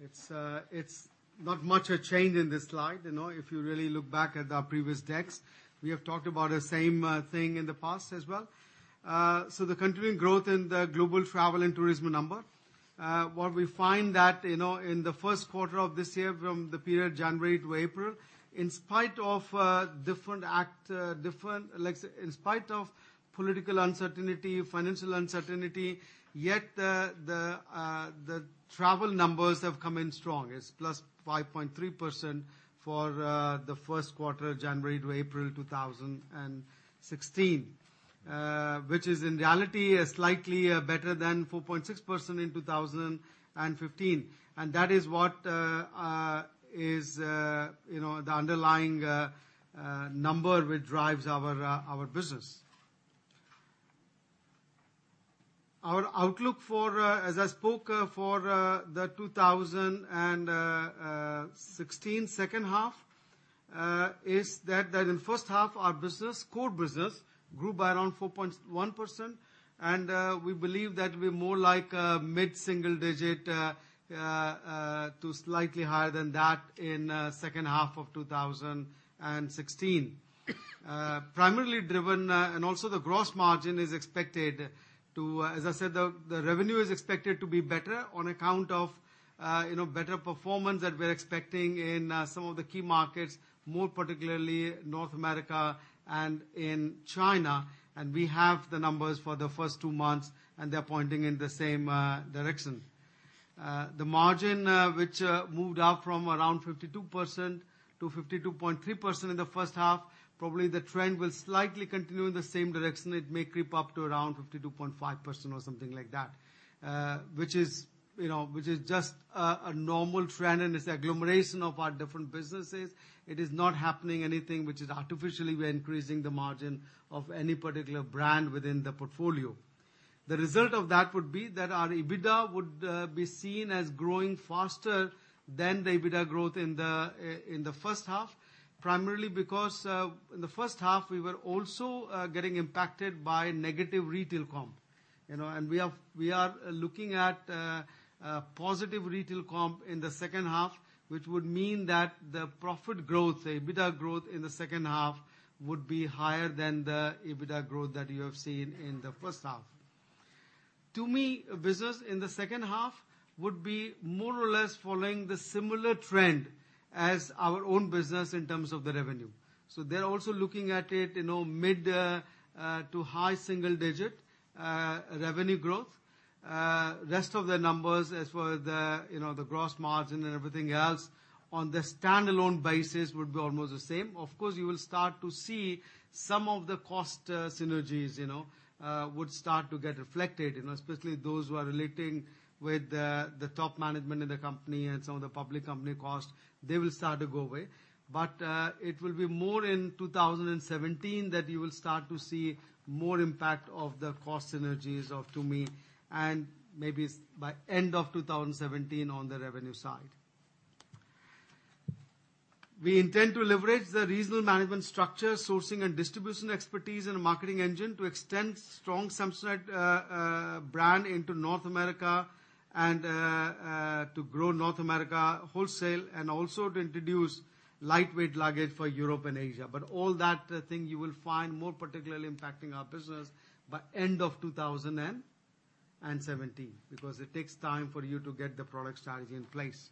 Speaker 3: It's not much a change in this slide. If you really look back at our previous decks, we have talked about the same thing in the past as well. The continuing growth in the global travel and tourism number. What we find that in the first quarter of this year, from the period January to April, in spite of political uncertainty, financial uncertainty, yet the travel numbers have come in strong. It's +5.3% for the first quarter, January to April 2016, which is in reality slightly better than 4.6% in 2015. That is what is the underlying number which drives our business. Our outlook, as I spoke for the 2016 second half, is that in the first half, our core business grew by around 4.1%, and we believe that we're more like mid-single digit to slightly higher than that in the second half of 2016. The gross margin is expected to, as I said, the revenue is expected to be better on account of better performance that we're expecting in some of the key markets, more particularly North America and in China. We have the numbers for the first two months, and they're pointing in the same direction. The margin which moved up from around 52% to 52.3% in the first half, probably the trend will slightly continue in the same direction. It may creep up to around 52.5% or something like that, which is just a normal trend, and it's the agglomeration of our different businesses. It is not happening anything which is artificially we're increasing the margin of any particular brand within the portfolio. The result of that would be that our EBITDA would be seen as growing faster than the EBITDA growth in the first half. Primarily because, in the first half, we were also getting impacted by negative retail comp. We are looking at a positive retail comp in the second half, which would mean that the profit growth, the EBITDA growth in the second half, would be higher than the EBITDA growth that you have seen in the first half. Tumi business in the second half would be more or less following the similar trend as our own business in terms of the revenue. They're also looking at it mid to high single digit revenue growth. Rest of the numbers, as for the gross margin and everything else, on the standalone basis would be almost the same. Of course, you will start to see some of the cost synergies would start to get reflected, especially those who are relating with the top management in the company and some of the public company costs, they will start to go away. It will be more in 2017 that you will start to see more impact of the cost synergies of Tumi, and maybe by end of 2017 on the revenue side. We intend to leverage the regional management structure, sourcing and distribution expertise, and a marketing engine to extend strong Samsonite brand into North America and to grow North America wholesale and also to introduce lightweight luggage for Europe and Asia. All that thing you will find more particularly impacting our business by end of 2017, because it takes time for you to get the product strategy in place.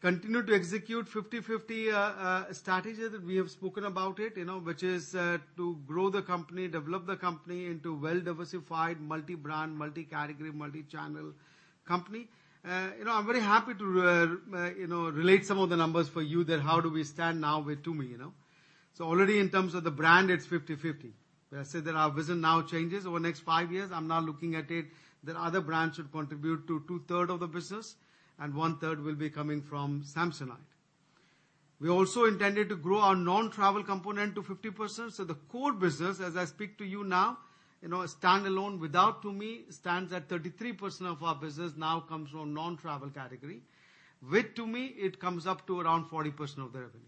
Speaker 3: Continue to execute 50/50 strategy that we have spoken about it, which is to grow the company, develop the company into well-diversified, multi-brand, multi-category, multi-channel company. I'm very happy to relate some of the numbers for you that how do we stand now with Tumi. Already in terms of the brand, it's 50/50. I said that our vision now changes. Over the next five years, I'm now looking at it that other brands should contribute to two-third of the business, and one-third will be coming from Samsonite. We also intended to grow our non-travel component to 50%. The core business, as I speak to you now, standalone without Tumi, stands at 33% of our business now comes from non-travel category. With Tumi, it comes up to around 40% of the revenue.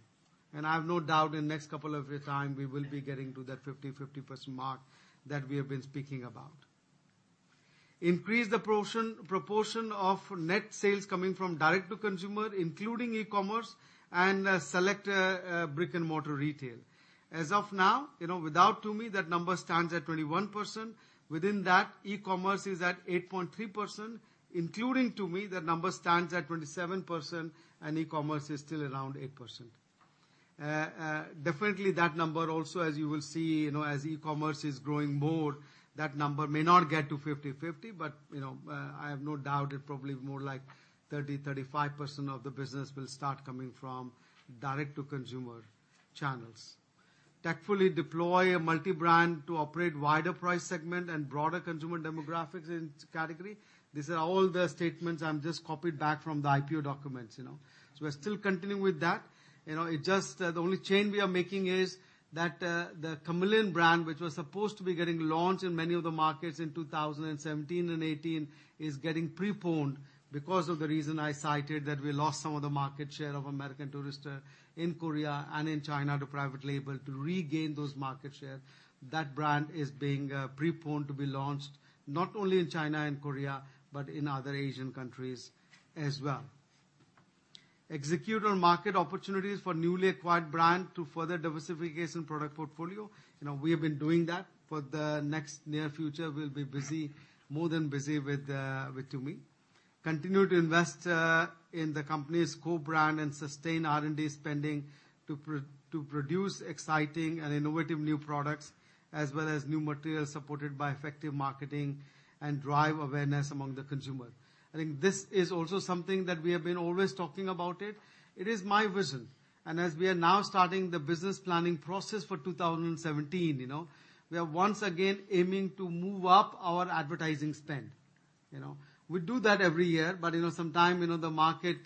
Speaker 3: I have no doubt in the next couple of years time, we will be getting to that 50/50 mark that we have been speaking about. Increase the proportion of net sales coming from direct-to-consumer, including e-commerce, and select brick-and-mortar retail. As of now, without Tumi, that number stands at 21%. Within that, e-commerce is at 8.3%. Including Tumi, the number stands at 27%, and e-commerce is still around 8%. Definitely, that number also, as you will see, as e-commerce is growing more, that number may not get to 50/50. I have no doubt it probably more like 30%, 35% of the business will start coming from direct-to-consumer channels. Tactfully deploy a multi-brand to operate wider price segment and broader consumer demographics in each category. These are all the statements I'm just copied back from the IPO documents. We're still continuing with that. The only change we are making is that the Kamiliant brand, which was supposed to be getting launched in many of the markets in 2017 and 2018 is getting preponed because of the reason I cited that we lost some of the market share of American Tourister in Korea and in China to private label. To regain those market share, that brand is being preponed to be launched not only in China and Korea, but in other Asian countries as well. Execute on market opportunities for newly acquired brand to further diversification product portfolio. We have been doing that. For the next near future, we'll be more than busy with Tumi. Continue to invest in the company's core brand and sustain R&D spending to produce exciting and innovative new products as well as new materials supported by effective marketing and drive awareness among the consumer. I think this is also something that we have been always talking about it. It is my vision. As we are now starting the business planning process for 2017, we are once again aiming to move up our advertising spend. We do that every year, but sometimes, the market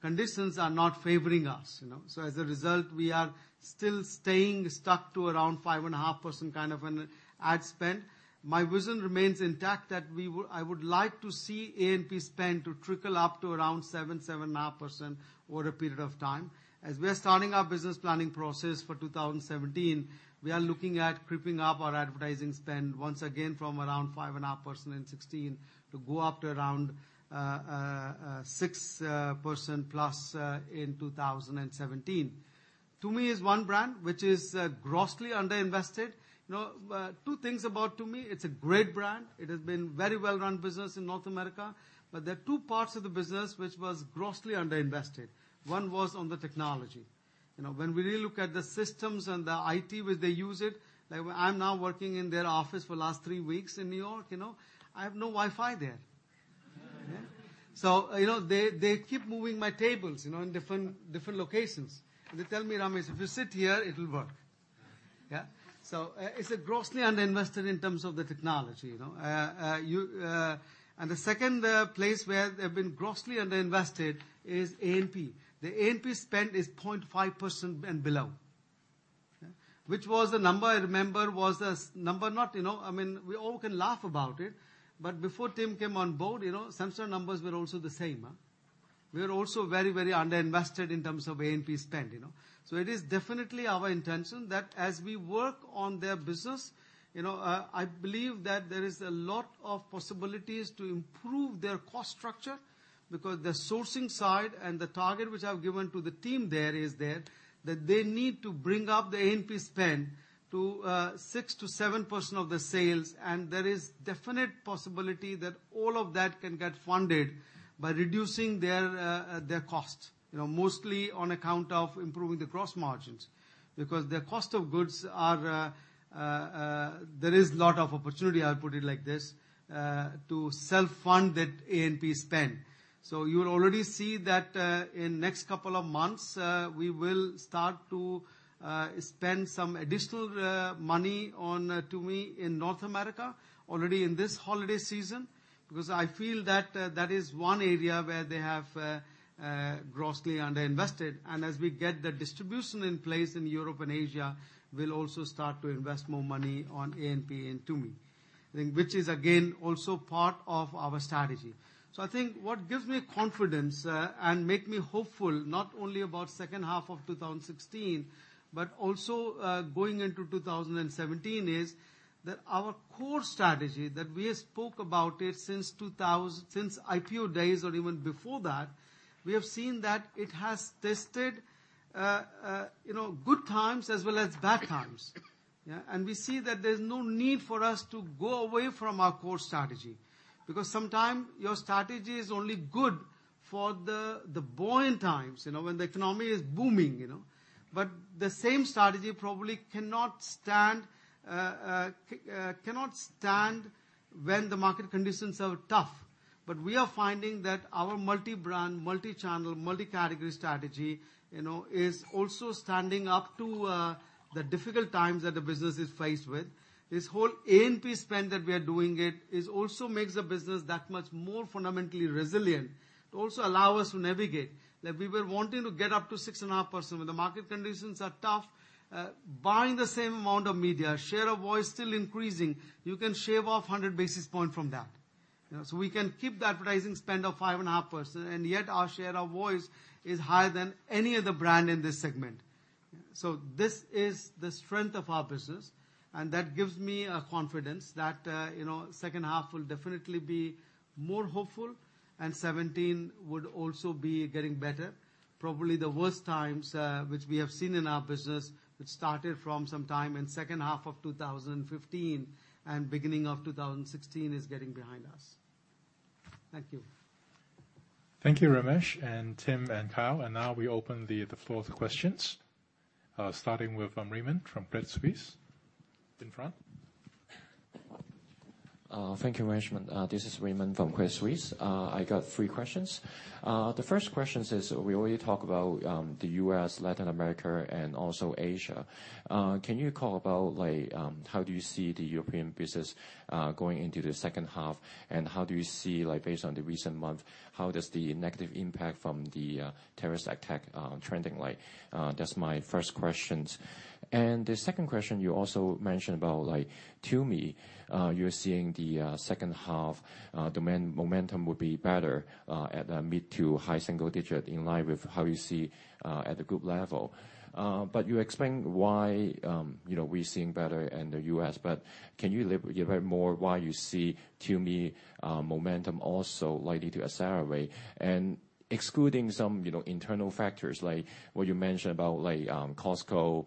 Speaker 3: conditions are not favoring us. As a result, we are still staying stuck to around 5.5% kind of an ad spend. My vision remains intact that I would like to see A&P spend to trickle up to around 7%-7.5% over a period of time. As we're starting our business planning process for 2017, we are looking at creeping up our advertising spend once again from around 5.5% in 2016 to go up to around 6%+ in 2017. Tumi is one brand which is grossly under-invested. Two things about Tumi. It's a great brand. It has been very well-run business in North America, but there are two parts of the business which was grossly under-invested. One was on the technology. When we really look at the systems and the IT which they use it, like I'm now working in their office for last three weeks in New York. I have no Wi-Fi there. They keep moving my tables in different locations. They tell me, "Ramesh, if you sit here, it'll work." Yeah. It's grossly under-invested in terms of the technology. The second place where they've been grossly under-invested is A&P. Their A&P spend is 0.5% and below. We all can laugh about it, but before Tim came on board, Samsonite numbers were also the same. We were also very under-invested in terms of A&P spend. It is definitely our intention that as we work on their business, I believe that there is a lot of possibilities to improve their cost structure because the sourcing side and the target which I've given to the team there is that they need to bring up the A&P spend to 6%-7% of the sales. There is definite possibility that all of that can get funded by reducing their costs, mostly on account of improving the gross margins. There is lot of opportunity, I'll put it like this, to self-fund that A&P spend. You will already see that in next couple of months, we will start to spend some additional money on Tumi in North America already in this holiday season, because I feel that is one area where they have grossly under-invested. As we get the distribution in place in Europe and Asia, we'll also start to invest more money on A&P in Tumi. Which is again, also part of our strategy. I think what gives me confidence, and make me hopeful, not only about second half of 2016, but also going into 2017, is that our core strategy that we spoke about it since IPO days or even before that, we have seen that it has tested good times as well as bad times. Yeah. We see that there's no need for us to go away from our core strategy. Sometime your strategy is only good for the buoyant times, when the economy is booming. The same strategy probably cannot stand when the market conditions are tough. We are finding that our multi-brand, multi-channel, multi-category strategy is also standing up to the difficult times that the business is faced with. This whole A&P spend that we are doing it, is also makes the business that much more fundamentally resilient. It also allow us to navigate. We were wanting to get up to 6.5%, when the market conditions are tough, buying the same amount of media, share of voice still increasing, you can shave off 100 basis points from that. We can keep the advertising spend of 5.5%, and yet our share of voice is higher than any other brand in this segment. This is the strength of our business, and that gives me a confidence that second half will definitely be more hopeful, and 2017 would also be getting better. Probably the worst times which we have seen in our business, which started from some time in second half of 2015 and beginning of 2016, is getting behind us. Thank you.
Speaker 1: Thank you, Ramesh, Tim, and Kyle. Now we open the floor to questions, starting with Raymond from Credit Suisse. In front.
Speaker 5: Thank you, Ramesh. This is Raymond from Credit Suisse. I got three questions. The first question says we already talk about the U.S., Latin America, and also Asia. Can you call about how do you see the European business going into the second half? How do you see, based on the recent month, how does the negative impact from the terrorist attack trending like? That's my first questions. The second question you also mentioned about Tumi. You're seeing the second half demand momentum will be better at mid-to-high single digit in line with how you see at the group level. You explained why we're seeing better in the U.S., but can you elaborate more why you see Tumi momentum also likely to accelerate? Excluding some internal factors like what you mentioned about Costco,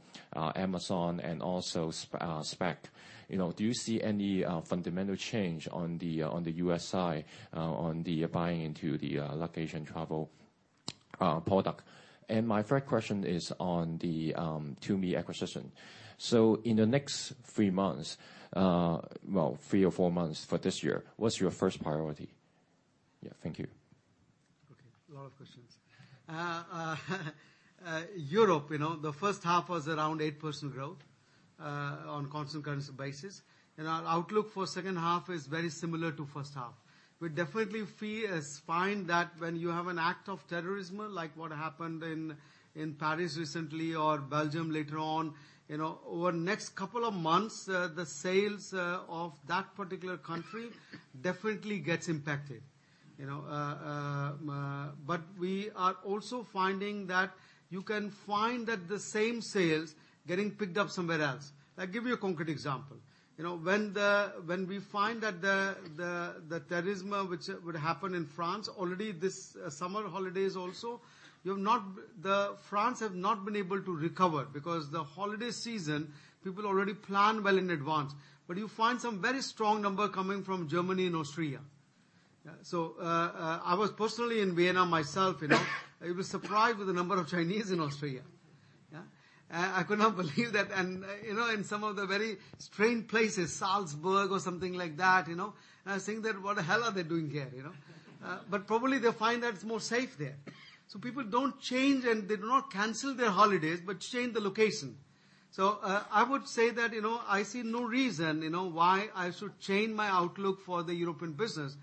Speaker 5: Amazon, and also Speck. Do you see any fundamental change on the U.S. side on the buying into the location travel product? My third question is on the Tumi acquisition. In the next three months, well, three or four months for this year, what's your first priority? Yeah, thank you.
Speaker 3: A lot of questions. Europe, the first half was around 8% growth on constant currency basis. Our outlook for second half is very similar to first half. We definitely find that when you have an act of terrorism, like what happened in Paris recently, or Belgium later on. Over the next couple of months, the sales of that particular country definitely gets impacted. We are also finding that you can find that the same sales getting picked up somewhere else. I'll give you a concrete example. When we find that the terrorism which would happen in France, already this summer holidays also, France have not been able to recover because the holiday season, people already plan well in advance. You find some very strong number coming from Germany and Austria. I was personally in Vienna myself. I was surprised with the number of Chinese in Austria. Yeah. I could not believe that. In some of the very strange places, Salzburg or something like that. I was thinking that what the hell are they doing here? Probably they find that it's more safe there. People don't change, and they do not cancel their holidays, but change the location. I would say that, I see no reason why I should change my outlook for the European business.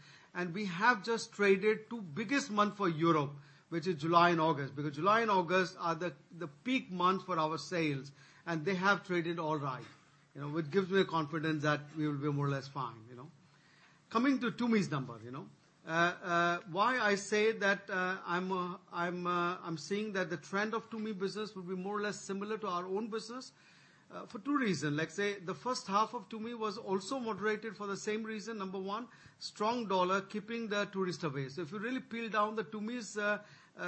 Speaker 3: We have just traded two biggest month for Europe, which is July and August, because July and August are the peak months for our sales, and they have traded all right. Which gives me a confidence that we will be more or less fine. Coming to Tumi's number. Why I say that I'm seeing that the trend of Tumi business will be more or less similar to our own business, for two reason. Let's say, the first half of Tumi was also moderated for the same reason. Number one, strong dollar keeping the tourist away. If you really peel down the Tumi's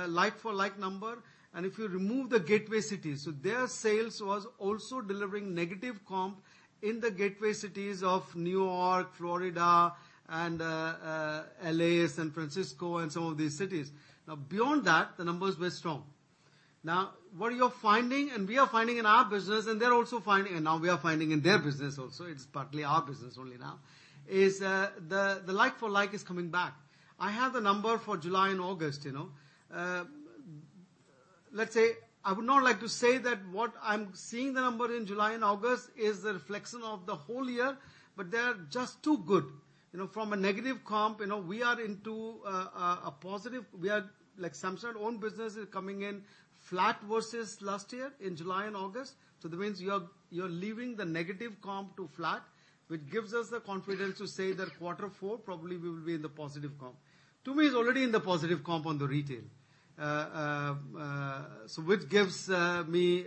Speaker 3: like-for-like number, and if you remove the gateway cities. Their sales was also delivering negative comp in the gateway cities of New York, Florida, and L.A., San Francisco, and some of these cities. Now, beyond that, the numbers were strong. Now, what you're finding and we are finding in our business, and now we are finding in their business also, it's partly our business only now, is the like-for-like is coming back. I have the number for July and August. Let's say, I would not like to say that what I'm seeing the number in July and August is the reflection of the whole year, but they are just too good. From a negative comp, we are into a positive. Samsonite own business is coming in flat versus last year in July and August. That means you are leaving the negative comp to flat, which gives us the confidence to say that quarter four probably will be in the positive comp. Tumi is already in the positive comp on the retail. Which gives me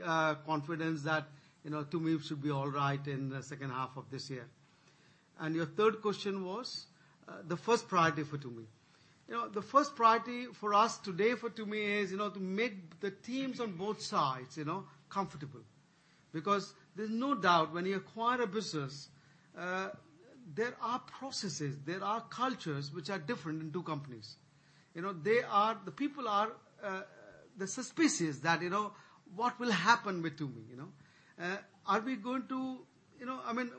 Speaker 3: confidence that Tumi should be all right in the second half of this year. Your third question was? The first priority for Tumi. The first priority for us today for Tumi is to make the teams on both sides comfortable. Because there's no doubt when you acquire a business, there are processes, there are cultures which are different in two companies. The people are, they're suspicious that what will happen with Tumi.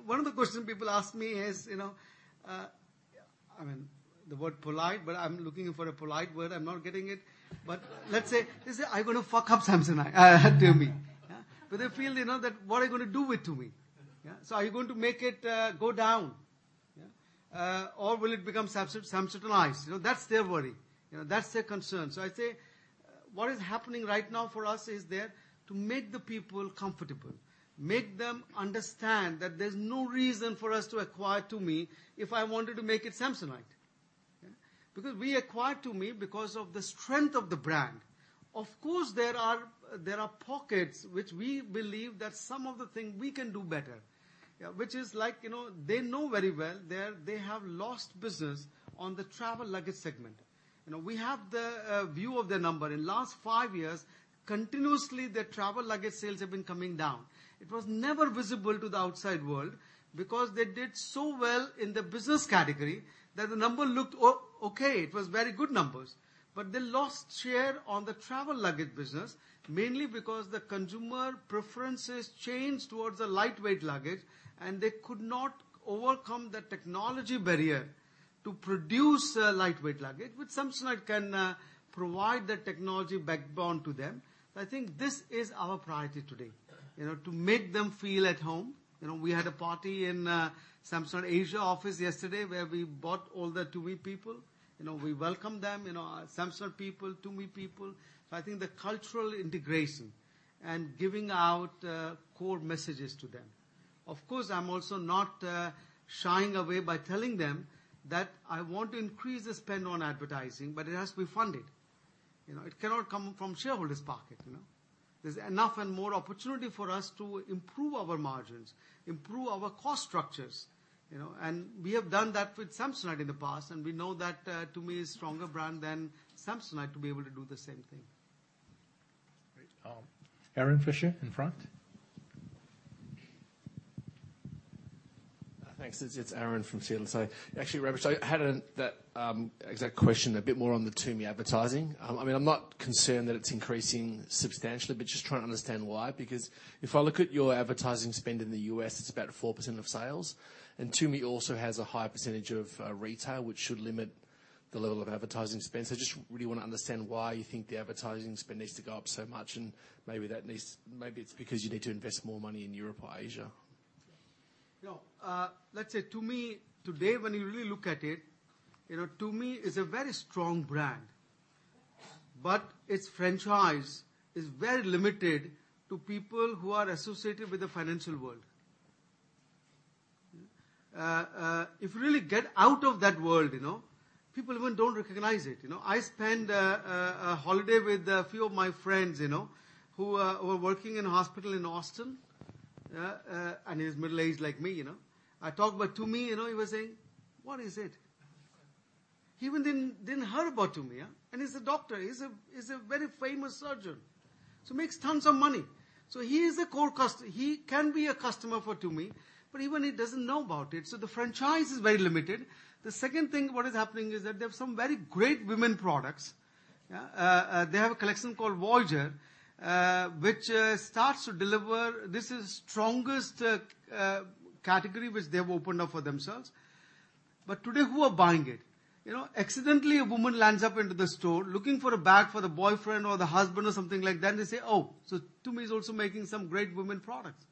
Speaker 3: One of the questions people ask me is, the word polite, I'm looking for a polite word, I'm not getting it. Let's say, they say, "Are you going to fuck up Samsonite, Tumi?" Yeah. They feel that what are you going to do with Tumi? Yeah. Are you going to make it go down? Yeah. Will it become Samsonite? That's their worry. That's their concern. I say, what is happening right now for us is there, to make the people comfortable. Make them understand that there's no reason for us to acquire Tumi if I wanted to make it Samsonite. Yeah. Because we acquired Tumi because of the strength of the brand. Of course, there are pockets which we believe that some of the thing we can do better. They know very well they have lost business on the travel luggage segment. We have the view of the number. In last five years, continuously, their travel luggage sales have been coming down. It was never visible to the outside world because they did so well in the business category that the number looked okay. It was very good numbers. They lost share on the travel luggage business, mainly because the consumer preferences changed towards a lightweight luggage, and they could not overcome the technology barrier to produce a lightweight luggage, which Samsonite can provide the technology backbone to them. I think this is our priority today, to make them feel at home. We had a party in Samsonite Asia office yesterday where we brought all the Tumi people. We welcome them, Samsonite people, Tumi people. I think the cultural integration and giving out core messages to them. Of course, I'm also not shying away by telling them that I want to increase the spend on advertising, but it has to be funded. It cannot come from shareholders' pocket. There's enough and more opportunity for us to improve our margins, improve our cost structures. We have done that with Samsonite in the past, and we know that Tumi is stronger brand than Samsonite to be able to do the same thing.
Speaker 1: Great. Aaron Fisher in front.
Speaker 6: Thanks. It's Aaron from CLSA. Actually, Ramesh, I had that exact question a bit more on the Tumi advertising. I'm not concerned that it's increasing substantially, but just trying to understand why. Because if I look at your advertising spend in the U.S., it's about 4% of sales. Tumi also has a high percentage of retail, which should limit the level of advertising spend. Just really want to understand why you think the advertising spend needs to go up so much, and maybe it's because you need to invest more money in Europe or Asia.
Speaker 3: Let's say, Tumi, today, when you really look at it, Tumi is a very strong brand. Its franchise is very limited to people who are associated with the financial world. If you really get out of that world, people even don't recognize it. I spend a holiday with a few of my friends who are working in a hospital in Austin, and he is middle-aged like me. I talk about Tumi, he was saying, "What is it?" He even didn't hear about Tumi. He's a doctor. He's a very famous surgeon. Makes tons of money. He is a core customer. He can be a customer for Tumi, but even he doesn't know about it. The franchise is very limited. The second thing, what is happening is that they have some very great women products. They have a collection called Voyageur. This is strongest category which they have opened up for themselves. Today, who are buying it? Accidentally, a woman lands up into the store looking for a bag for the boyfriend or the husband or something like that, and they say, "Oh, so Tumi is also making some great women products."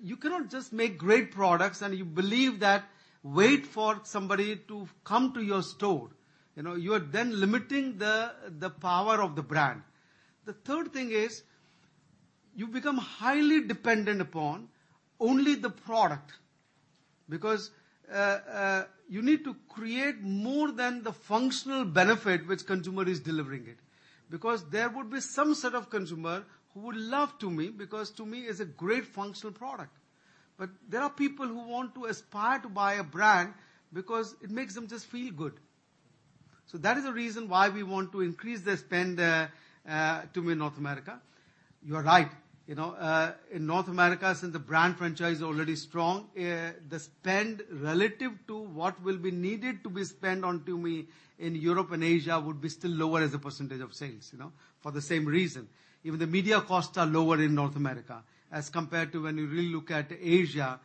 Speaker 3: You cannot just make great products, and you believe that wait for somebody to come to your store. You are then limiting the power of the brand. The third thing is you become highly dependent upon only the product, because you need to create more than the functional benefit which consumer is delivering it. There would be some set of consumer who would love Tumi, because Tumi is a great functional product. There are people who want to aspire to buy a brand because it makes them just feel good. That is the reason why we want to increase the spend Tumi North America. You are right. In North America, since the brand franchise already strong, the spend relative to what will be needed to be spent on Tumi in Europe and Asia would be still lower as a percentage of sales. For the same reason. Even the media costs are lower in North America as compared to when you really look at Asia,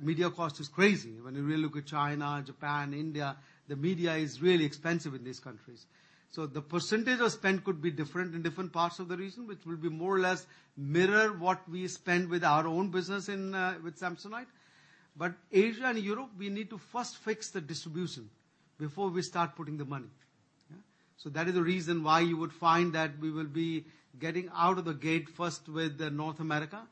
Speaker 3: media cost is crazy. When you really look at China, Japan, India, the media is really expensive in these countries. The percentage of spend could be different in different parts of the region, which will be more or less mirror what we spend with our own business with Samsonite. Asia and Europe, we need to first fix the distribution before we start putting the money. That is the reason why you would find that we will be getting out of the gate first with North America.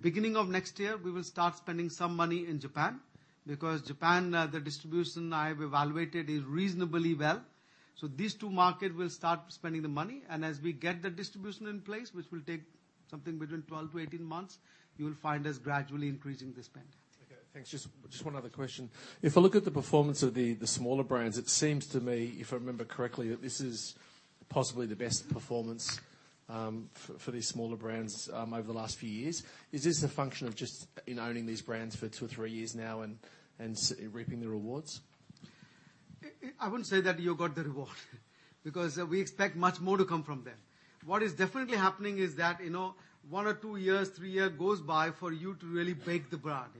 Speaker 3: Beginning of next year, we will start spending some money in Japan, because Japan, the distribution I have evaluated is reasonably well. These two market will start spending the money. As we get the distribution in place, which will take something between 12 to 18 months, you will find us gradually increasing the spend.
Speaker 6: Okay, thanks. Just one other question. If I look at the performance of the smaller brands, it seems to me, if I remember correctly, that this is possibly the best performance for these smaller brands over the last few years. Is this a function of just in owning these brands for two or three years now and reaping the rewards?
Speaker 3: I wouldn't say that you got the reward, because we expect much more to come from them. What is definitely happening is that, one or two years, three years goes by for you to really bake the brand.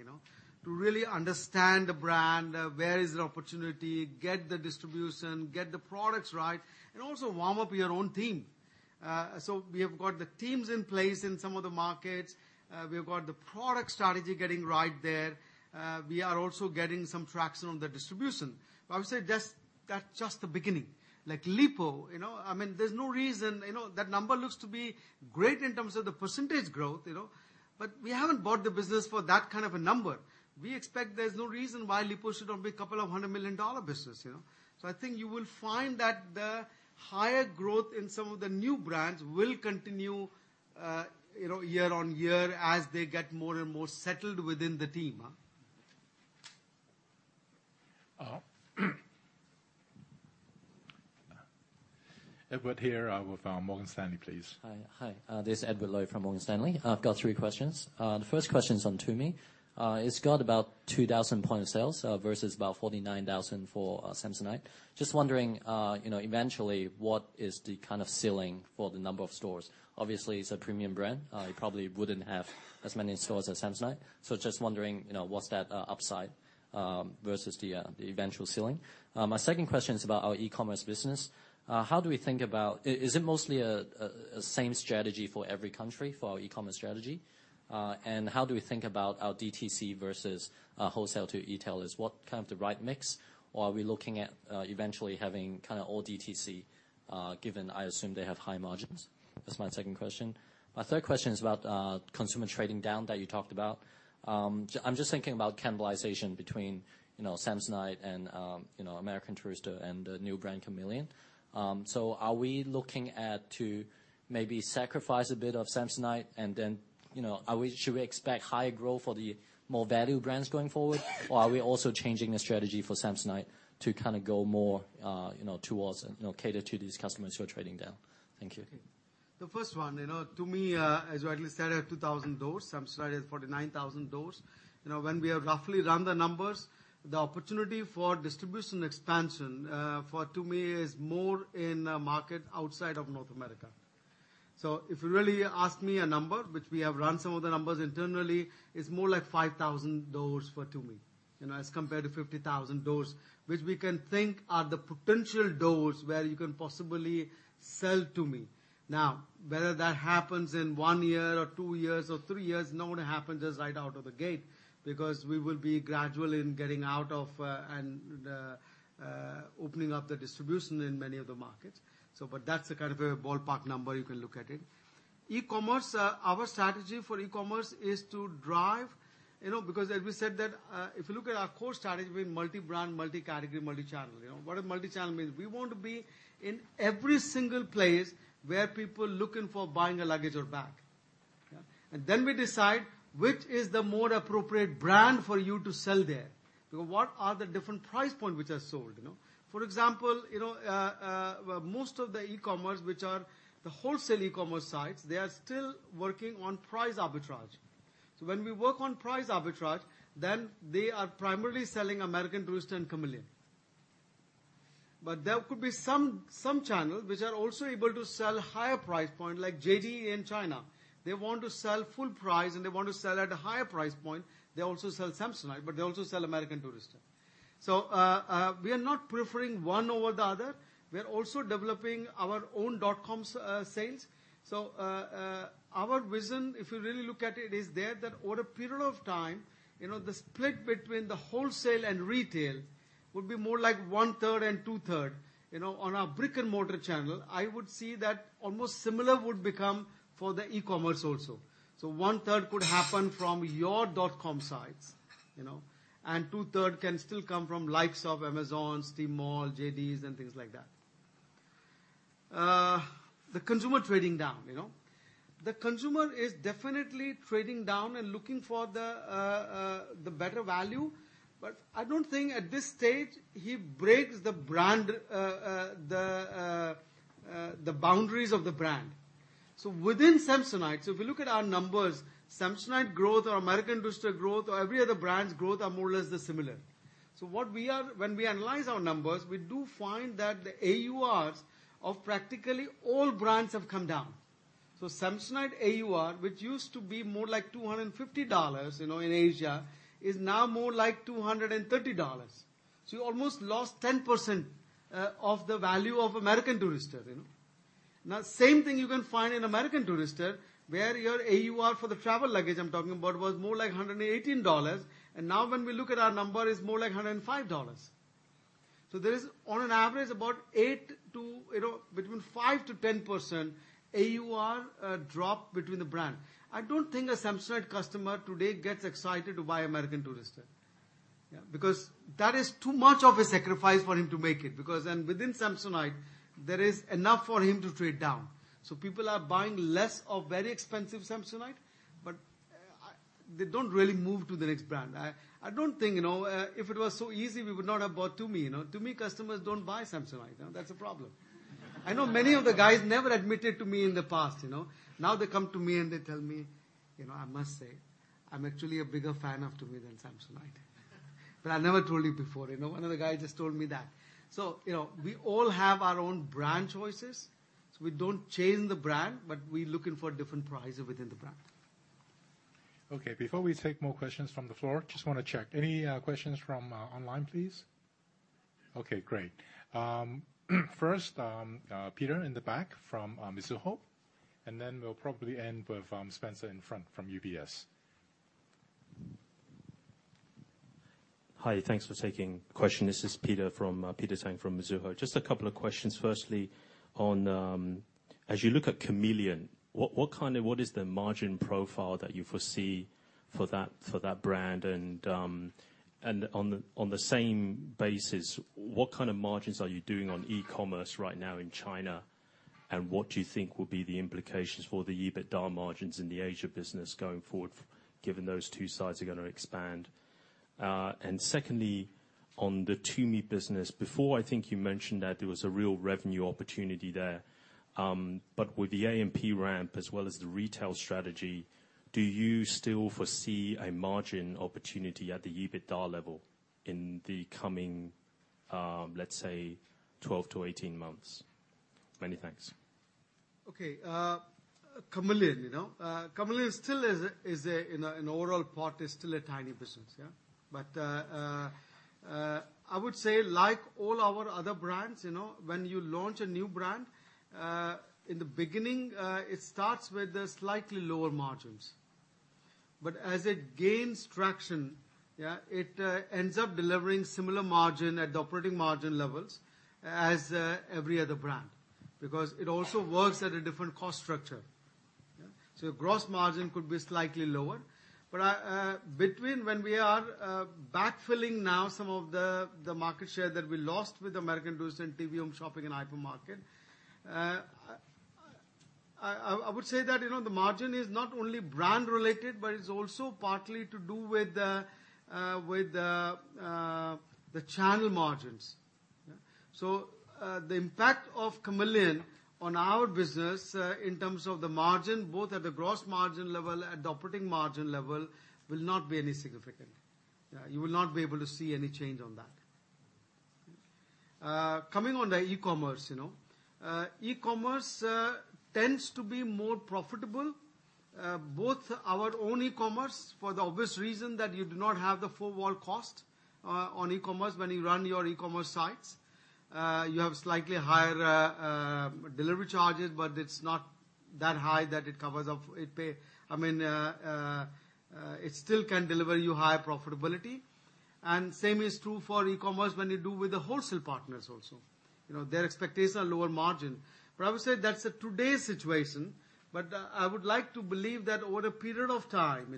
Speaker 3: To really understand the brand, where is the opportunity, get the distribution, get the products right, and also warm up your own team. We have got the teams in place in some of the markets. We have got the product strategy getting right there. We are also getting some traction on the distribution. I would say that's just the beginning. Like Lipault, there's no reason that number looks to be great in terms of the percentage growth. We haven't bought the business for that kind of a number. We expect there's no reason why Lipault shouldn't be a $200 million business. I think you will find that the higher growth in some of the new brands will continue year-on-year as they get more and more settled within the team.
Speaker 1: Edward here with Morgan Stanley, please.
Speaker 7: Hi. This is Edward Lo from Morgan Stanley. I've got three questions. The first question's on Tumi. It's got about 2,000 point of sales, versus about 49,000 for Samsonite. Just wondering, eventually, what is the kind of ceiling for the number of stores? Obviously, it's a premium brand. It probably wouldn't have as many stores as Samsonite. Just wondering what's that upside, versus the eventual ceiling. My second question is about our e-commerce business. How do we think about Is it mostly a same strategy for every country for our e-commerce strategy? How do we think about our DTC versus wholesale to e-tailers? What kind of the right mix? Are we looking at eventually having kind of all DTC, given I assume they have high margins? That's my second question. My third question is about consumer trading down that you talked about. I'm just thinking about cannibalization between Samsonite and American Tourister and the new brand, Kamiliant. Are we looking at to maybe sacrifice a bit of Samsonite, should we expect higher growth for the more value brands going forward? Are we also changing the strategy for Samsonite to kind of go more towards cater to these customers who are trading down? Thank you.
Speaker 3: The first one. Tumi, as rightly said, have 2,000 doors. Samsonite has 49,000 doors. When we have roughly run the numbers, the opportunity for distribution expansion for Tumi is more in market outside of North America. If you really ask me a number, which we have run some of the numbers internally, it's more like 5,000 doors for Tumi. As compared to 50,000 doors, which we can think are the potential doors where you can possibly sell Tumi. Now, whether that happens in one year or two years or three years, none will happen just right out of the gate, because we will be gradual in getting out of and opening up the distribution in many of the markets. That's the kind of a ballpark number you can look at it. E-commerce, our strategy for e-commerce is to drive. If you look at our core strategy, multi-brand, multi-category, multi-channel. What does multi-channel mean? We want to be in every single place where people are looking for buying a luggage or bag. Yeah. We decide which is the more appropriate brand for you to sell there. What are the different price point which are sold? For example, most of the e-commerce, which are the wholesale e-commerce sites, they are still working on price arbitrage. When we work on price arbitrage, then they are primarily selling American Tourister and Kamiliant. There could be some channels which are also able to sell higher price point, like JD in China. They want to sell full price, and they want to sell at a higher price point. They also sell Samsonite, but they also sell American Tourister. We are not preferring one over the other. We are also developing our own dotcom sales. Our vision, if you really look at it, is there that over a period of time, the split between the wholesale and retail would be more like one-third and two-third. On our brick-and-mortar channel, I would say that almost similar would become for the e-commerce also. One-third could happen from your dotcom sites. Two-third can still come from likes of Amazon, Tmall, JDs, and things like that. The consumer trading down. The consumer is definitely trading down and looking for the better value. I don't think at this stage, he breaks the boundaries of the brand. Within Samsonite, so if you look at our numbers, Samsonite growth or American Tourister growth or every other brand's growth are more or less the similar. When we analyze our numbers, we do find that the AURs of practically all brands have come down. Samsonite AUR, which used to be more like $250 in Asia, is now more like $230. You almost lost 10% of the value of American Tourister. Same thing you can find in American Tourister, where your AUR for the travel luggage I'm talking about, was more like $118. Now when we look at our number, it's more like $105. There is, on an average, about between 5% to 10% AUR drop between the brand. I don't think a Samsonite customer today gets excited to buy American Tourister. Because that is too much of a sacrifice for him to make it, because then within Samsonite, there is enough for him to trade down. People are buying less of very expensive Samsonite, but they don't really move to the next brand. I don't think if it was so easy, we would not have bought Tumi. Tumi customers don't buy Samsonite, that's a problem. I know many of the guys never admitted to me in the past. They come to me and they tell me, "I must say, I'm actually a bigger fan of Tumi than Samsonite." "I never told you before." One of the guys just told me that. We all have our own brand choices, so we don't change the brand, but we're looking for a different price within the brand.
Speaker 1: Before we take more questions from the floor, just want to check. Any questions from online, please? First, Peter in the back from Mizuho, and then we'll probably end with Spencer in front from UBS.
Speaker 8: Hi, thanks for taking question. This is Peter Tang from Mizuho. Just a couple of questions. Firstly, as you look at Kamiliant, what is the margin profile that you foresee for that brand? What kind of margins are you doing on e-commerce right now in China? What do you think will be the implications for the EBITDA margins in the Asia business going forward, given those two sides are going to expand? Secondly, on the Tumi business, before I think you mentioned that there was a real revenue opportunity there. With the A&P ramp as well as the retail strategy, do you still foresee a margin opportunity at the EBITDA level in the coming, let's say, 12 to 18 months? Many thanks.
Speaker 3: Okay. Kamiliant. Kamiliant, in the overall part, is still a tiny business. Yeah. I would say, like all our other brands, when you launch a new brand, in the beginning, it starts with slightly lower margins. But as it gains traction, yeah, it ends up delivering similar margin at the operating margin levels as every other brand, because it also works at a different cost structure. Yeah. Your gross margin could be slightly lower. Between when we are backfilling now some of the market share that we lost with American Tourister and TV home shopping and hypermarket, I would say that the margin is not only brand-related but is also partly to do with the channel margins. Yeah. The impact of Kamiliant on our business, in terms of the margin, both at the gross margin level and the operating margin level, will not be any significant. Yeah. You will not be able to see any change on that. Coming on the e-commerce. E-commerce tends to be more profitable, both our own e-commerce, for the obvious reason that you do not have the four-wall cost on e-commerce when you run your e-commerce sites. You have slightly higher delivery charges, but it's not that high that It still can deliver you higher profitability. Same is true for e-commerce when you do with the wholesale partners also. Their expectations are lower margin. I would say that's today's situation, but I would like to believe that over a period of time,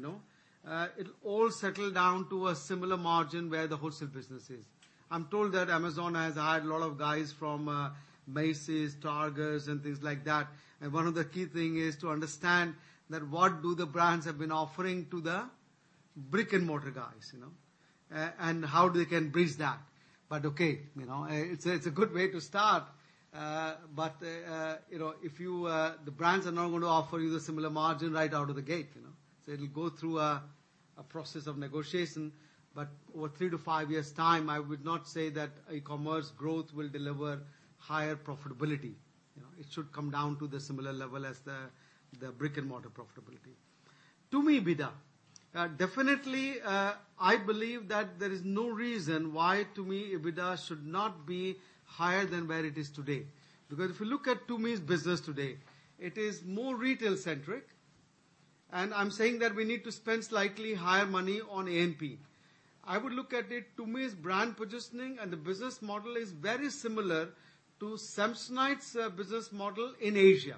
Speaker 3: it'll all settle down to a similar margin where the wholesale business is. I'm told that Amazon has hired a lot of guys from Macy's, Target, and things like that. One of the key thing is to understand that what do the brands have been offering to the brick-and-mortar guys, and how they can bridge that. Okay, it's a good way to start. The brands are not going to offer you the similar margin right out of the gate. It'll go through a process of negotiation, but over three to five years' time, I would not say that e-commerce growth will deliver higher profitability. It should come down to the similar level as the brick-and-mortar profitability. Tumi EBITDA. Definitely, I believe that there is no reason why Tumi EBITDA should not be higher than where it is today. Because if you look at Tumi's business today, it is more retail-centric, I'm saying that we need to spend slightly higher money on A&P. I would look at it, Tumi's brand positioning and the business model is very similar to Samsonite's business model in Asia.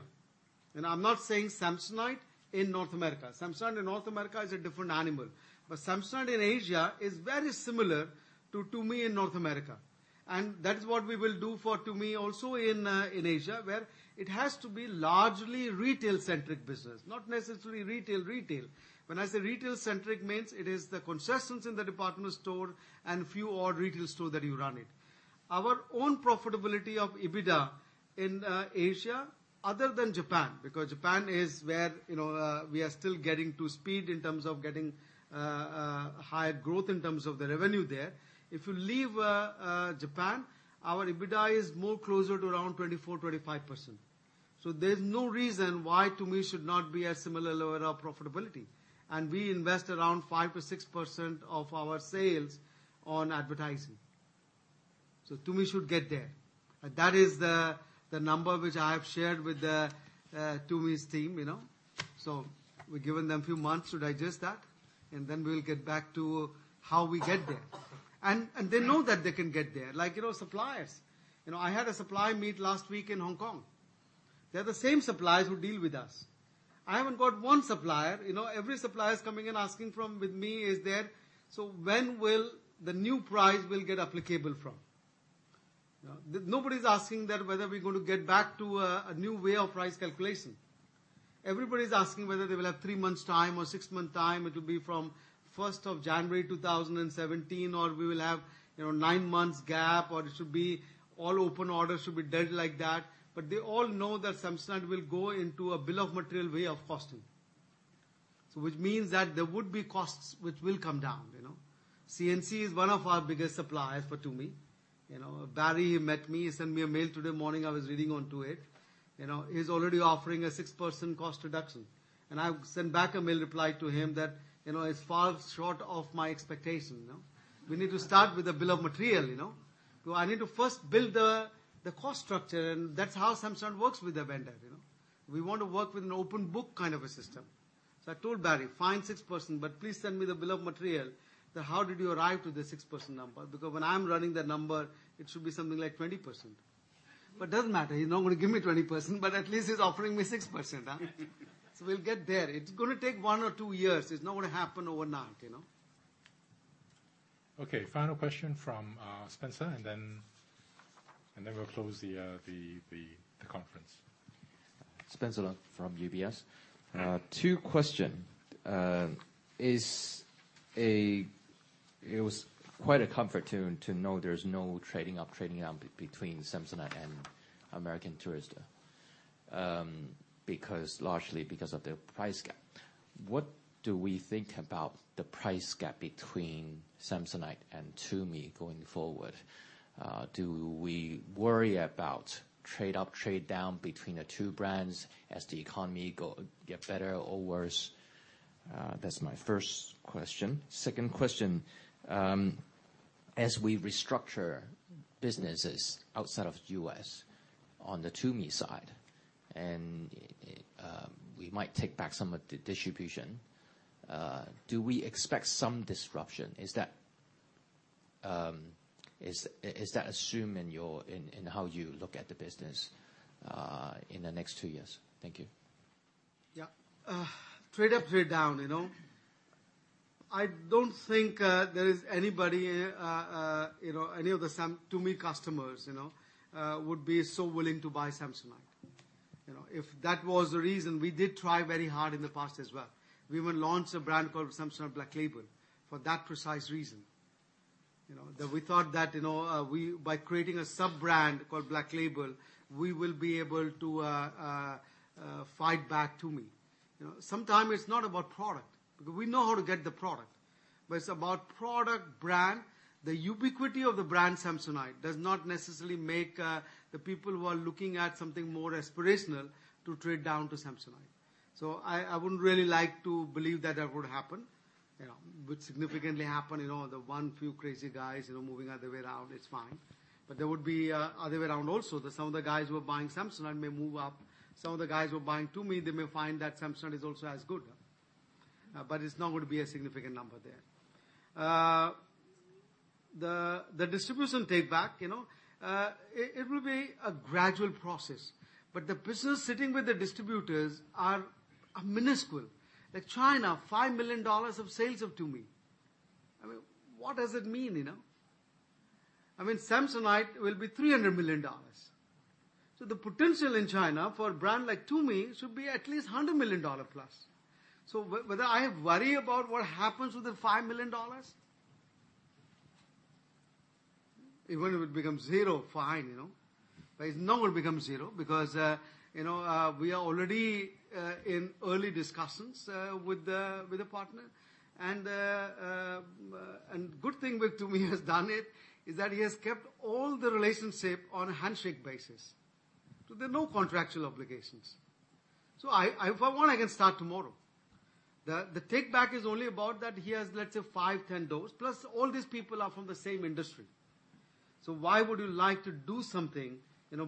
Speaker 3: I'm not saying Samsonite in North America. Samsonite in North America is a different animal. Samsonite in Asia is very similar to Tumi in North America. That is what we will do for Tumi also in Asia, where it has to be largely retail-centric business, not necessarily retail. When I say retail-centric, means it is the concessions in the department store and few odd retail store that you run it. Our own profitability of EBITDA in Asia, other than Japan, because Japan is where we are still getting to speed in terms of getting higher growth in terms of the revenue there. If you leave Japan, our EBITDA is more closer to around 24%-25%. There's no reason why Tumi should not be a similar level of profitability. We invest around 5%-6% of our sales on advertising. Tumi should get there. That is the number which I have shared with Tumi's team. We've given them few months to digest that, then we'll get back to how we get there. They know that they can get there. Like suppliers. I had a supplier meet last week in Hong Kong. They're the same suppliers who deal with us. I haven't got one supplier, every supplier is coming and asking from me is that, "When will the new price will get applicable from?" Nobody's asking that whether we're going to get back to a new way of price calculation. Everybody's asking whether they will have three months' time or six months' time, it will be from 1st of January 2017, or we will have nine months gap, or it should be all open orders should be dead like that. They all know that Samsonite will go into a bill of material way of costing. Which means that there would be costs which will come down. CNC is one of our biggest suppliers for Tumi. Barry met me, he sent me a mail today morning, I was reading on to it. He's already offering a 6% cost reduction. I sent back a mail reply to him that it's far short of my expectation. We need to start with the bill of material. I need to first build the cost structure, that's how Samsonite works with the vendor. We want to work with an open book kind of a system. I told Barry, "Fine 6%, but please send me the bill of material, that how did you arrive to the 6% number?" Because when I'm running the number, it should be something like 20%. Doesn't matter, he's not going to give me 20%, but at least he's offering me 6%, huh? We'll get there. It's gonna take one or two years. It's not gonna happen overnight.
Speaker 1: Okay, final question from Spencer, and then we'll close the conference.
Speaker 9: Spencer Leung from UBS. Two question. It was quite a comfort to know there's no trading up, trading down between Samsonite and American Tourister, largely because of the price gap. What do we think about the price gap between Samsonite and Tumi going forward? Do we worry about trade up, trade down between the two brands as the economy get better or worse? That's my first question. Second question, as we restructure businesses outside of U.S. on the Tumi side, and we might take back some of the distribution, do we expect some disruption? Is that assumed in how you look at the business in the next two years? Thank you.
Speaker 3: Yeah. Trade up, trade down. I don't think there is anybody, any of the Tumi customers, would be so willing to buy Samsonite. If that was the reason, we did try very hard in the past as well. We even launched a brand called Samsonite Black Label for that precise reason. That we thought that by creating a sub-brand called Black Label, we will be able to fight back Tumi. Sometimes it's not about product, because we know how to get the product. But it's about product brand. The ubiquity of the brand Samsonite does not necessarily make the people who are looking at something more aspirational to trade down to Samsonite. I wouldn't really like to believe that that would happen. Would significantly happen. The one few crazy guys, moving other way around, it's fine. There would be other way around also, that some of the guys who are buying Samsonite may move up. Some of the guys who are buying Tumi, they may find that Samsonite is also as good. It's not going to be a significant number there. The distribution take back, it will be a gradual process. The business sitting with the distributors are minuscule. Like China, $5 million of sales of Tumi. I mean, what does it mean? I mean, Samsonite will be $300 million. The potential in China for a brand like Tumi should be at least $100 million plus. Whether I worry about what happens with the $5 million? Even if it becomes zero, fine. It's not going to become zero because we are already in early discussions with the partner. Good thing with Tumi has done it, is that he has kept all the relationship on a handshake basis. There are no contractual obligations. If I want, I can start tomorrow. The take back is only about that he has, let's say five, 10 doors. Plus all these people are from the same industry. Why would you like to do something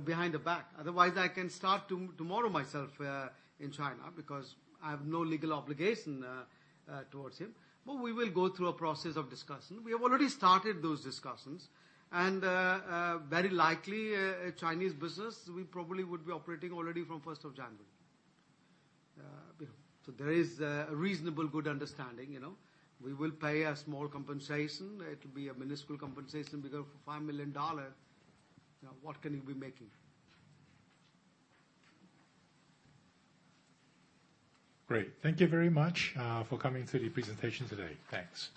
Speaker 3: behind the back? Otherwise, I can start tomorrow myself in China, because I have no legal obligation towards him. We will go through a process of discussion. We have already started those discussions, and very likely, Chinese business, we probably would be operating already from 1st of January. There is a reasonable, good understanding. We will pay a small compensation. It will be a minuscule compensation because for $5 million, what can you be making?
Speaker 1: Great. Thank you very much for coming to the presentation today. Thanks.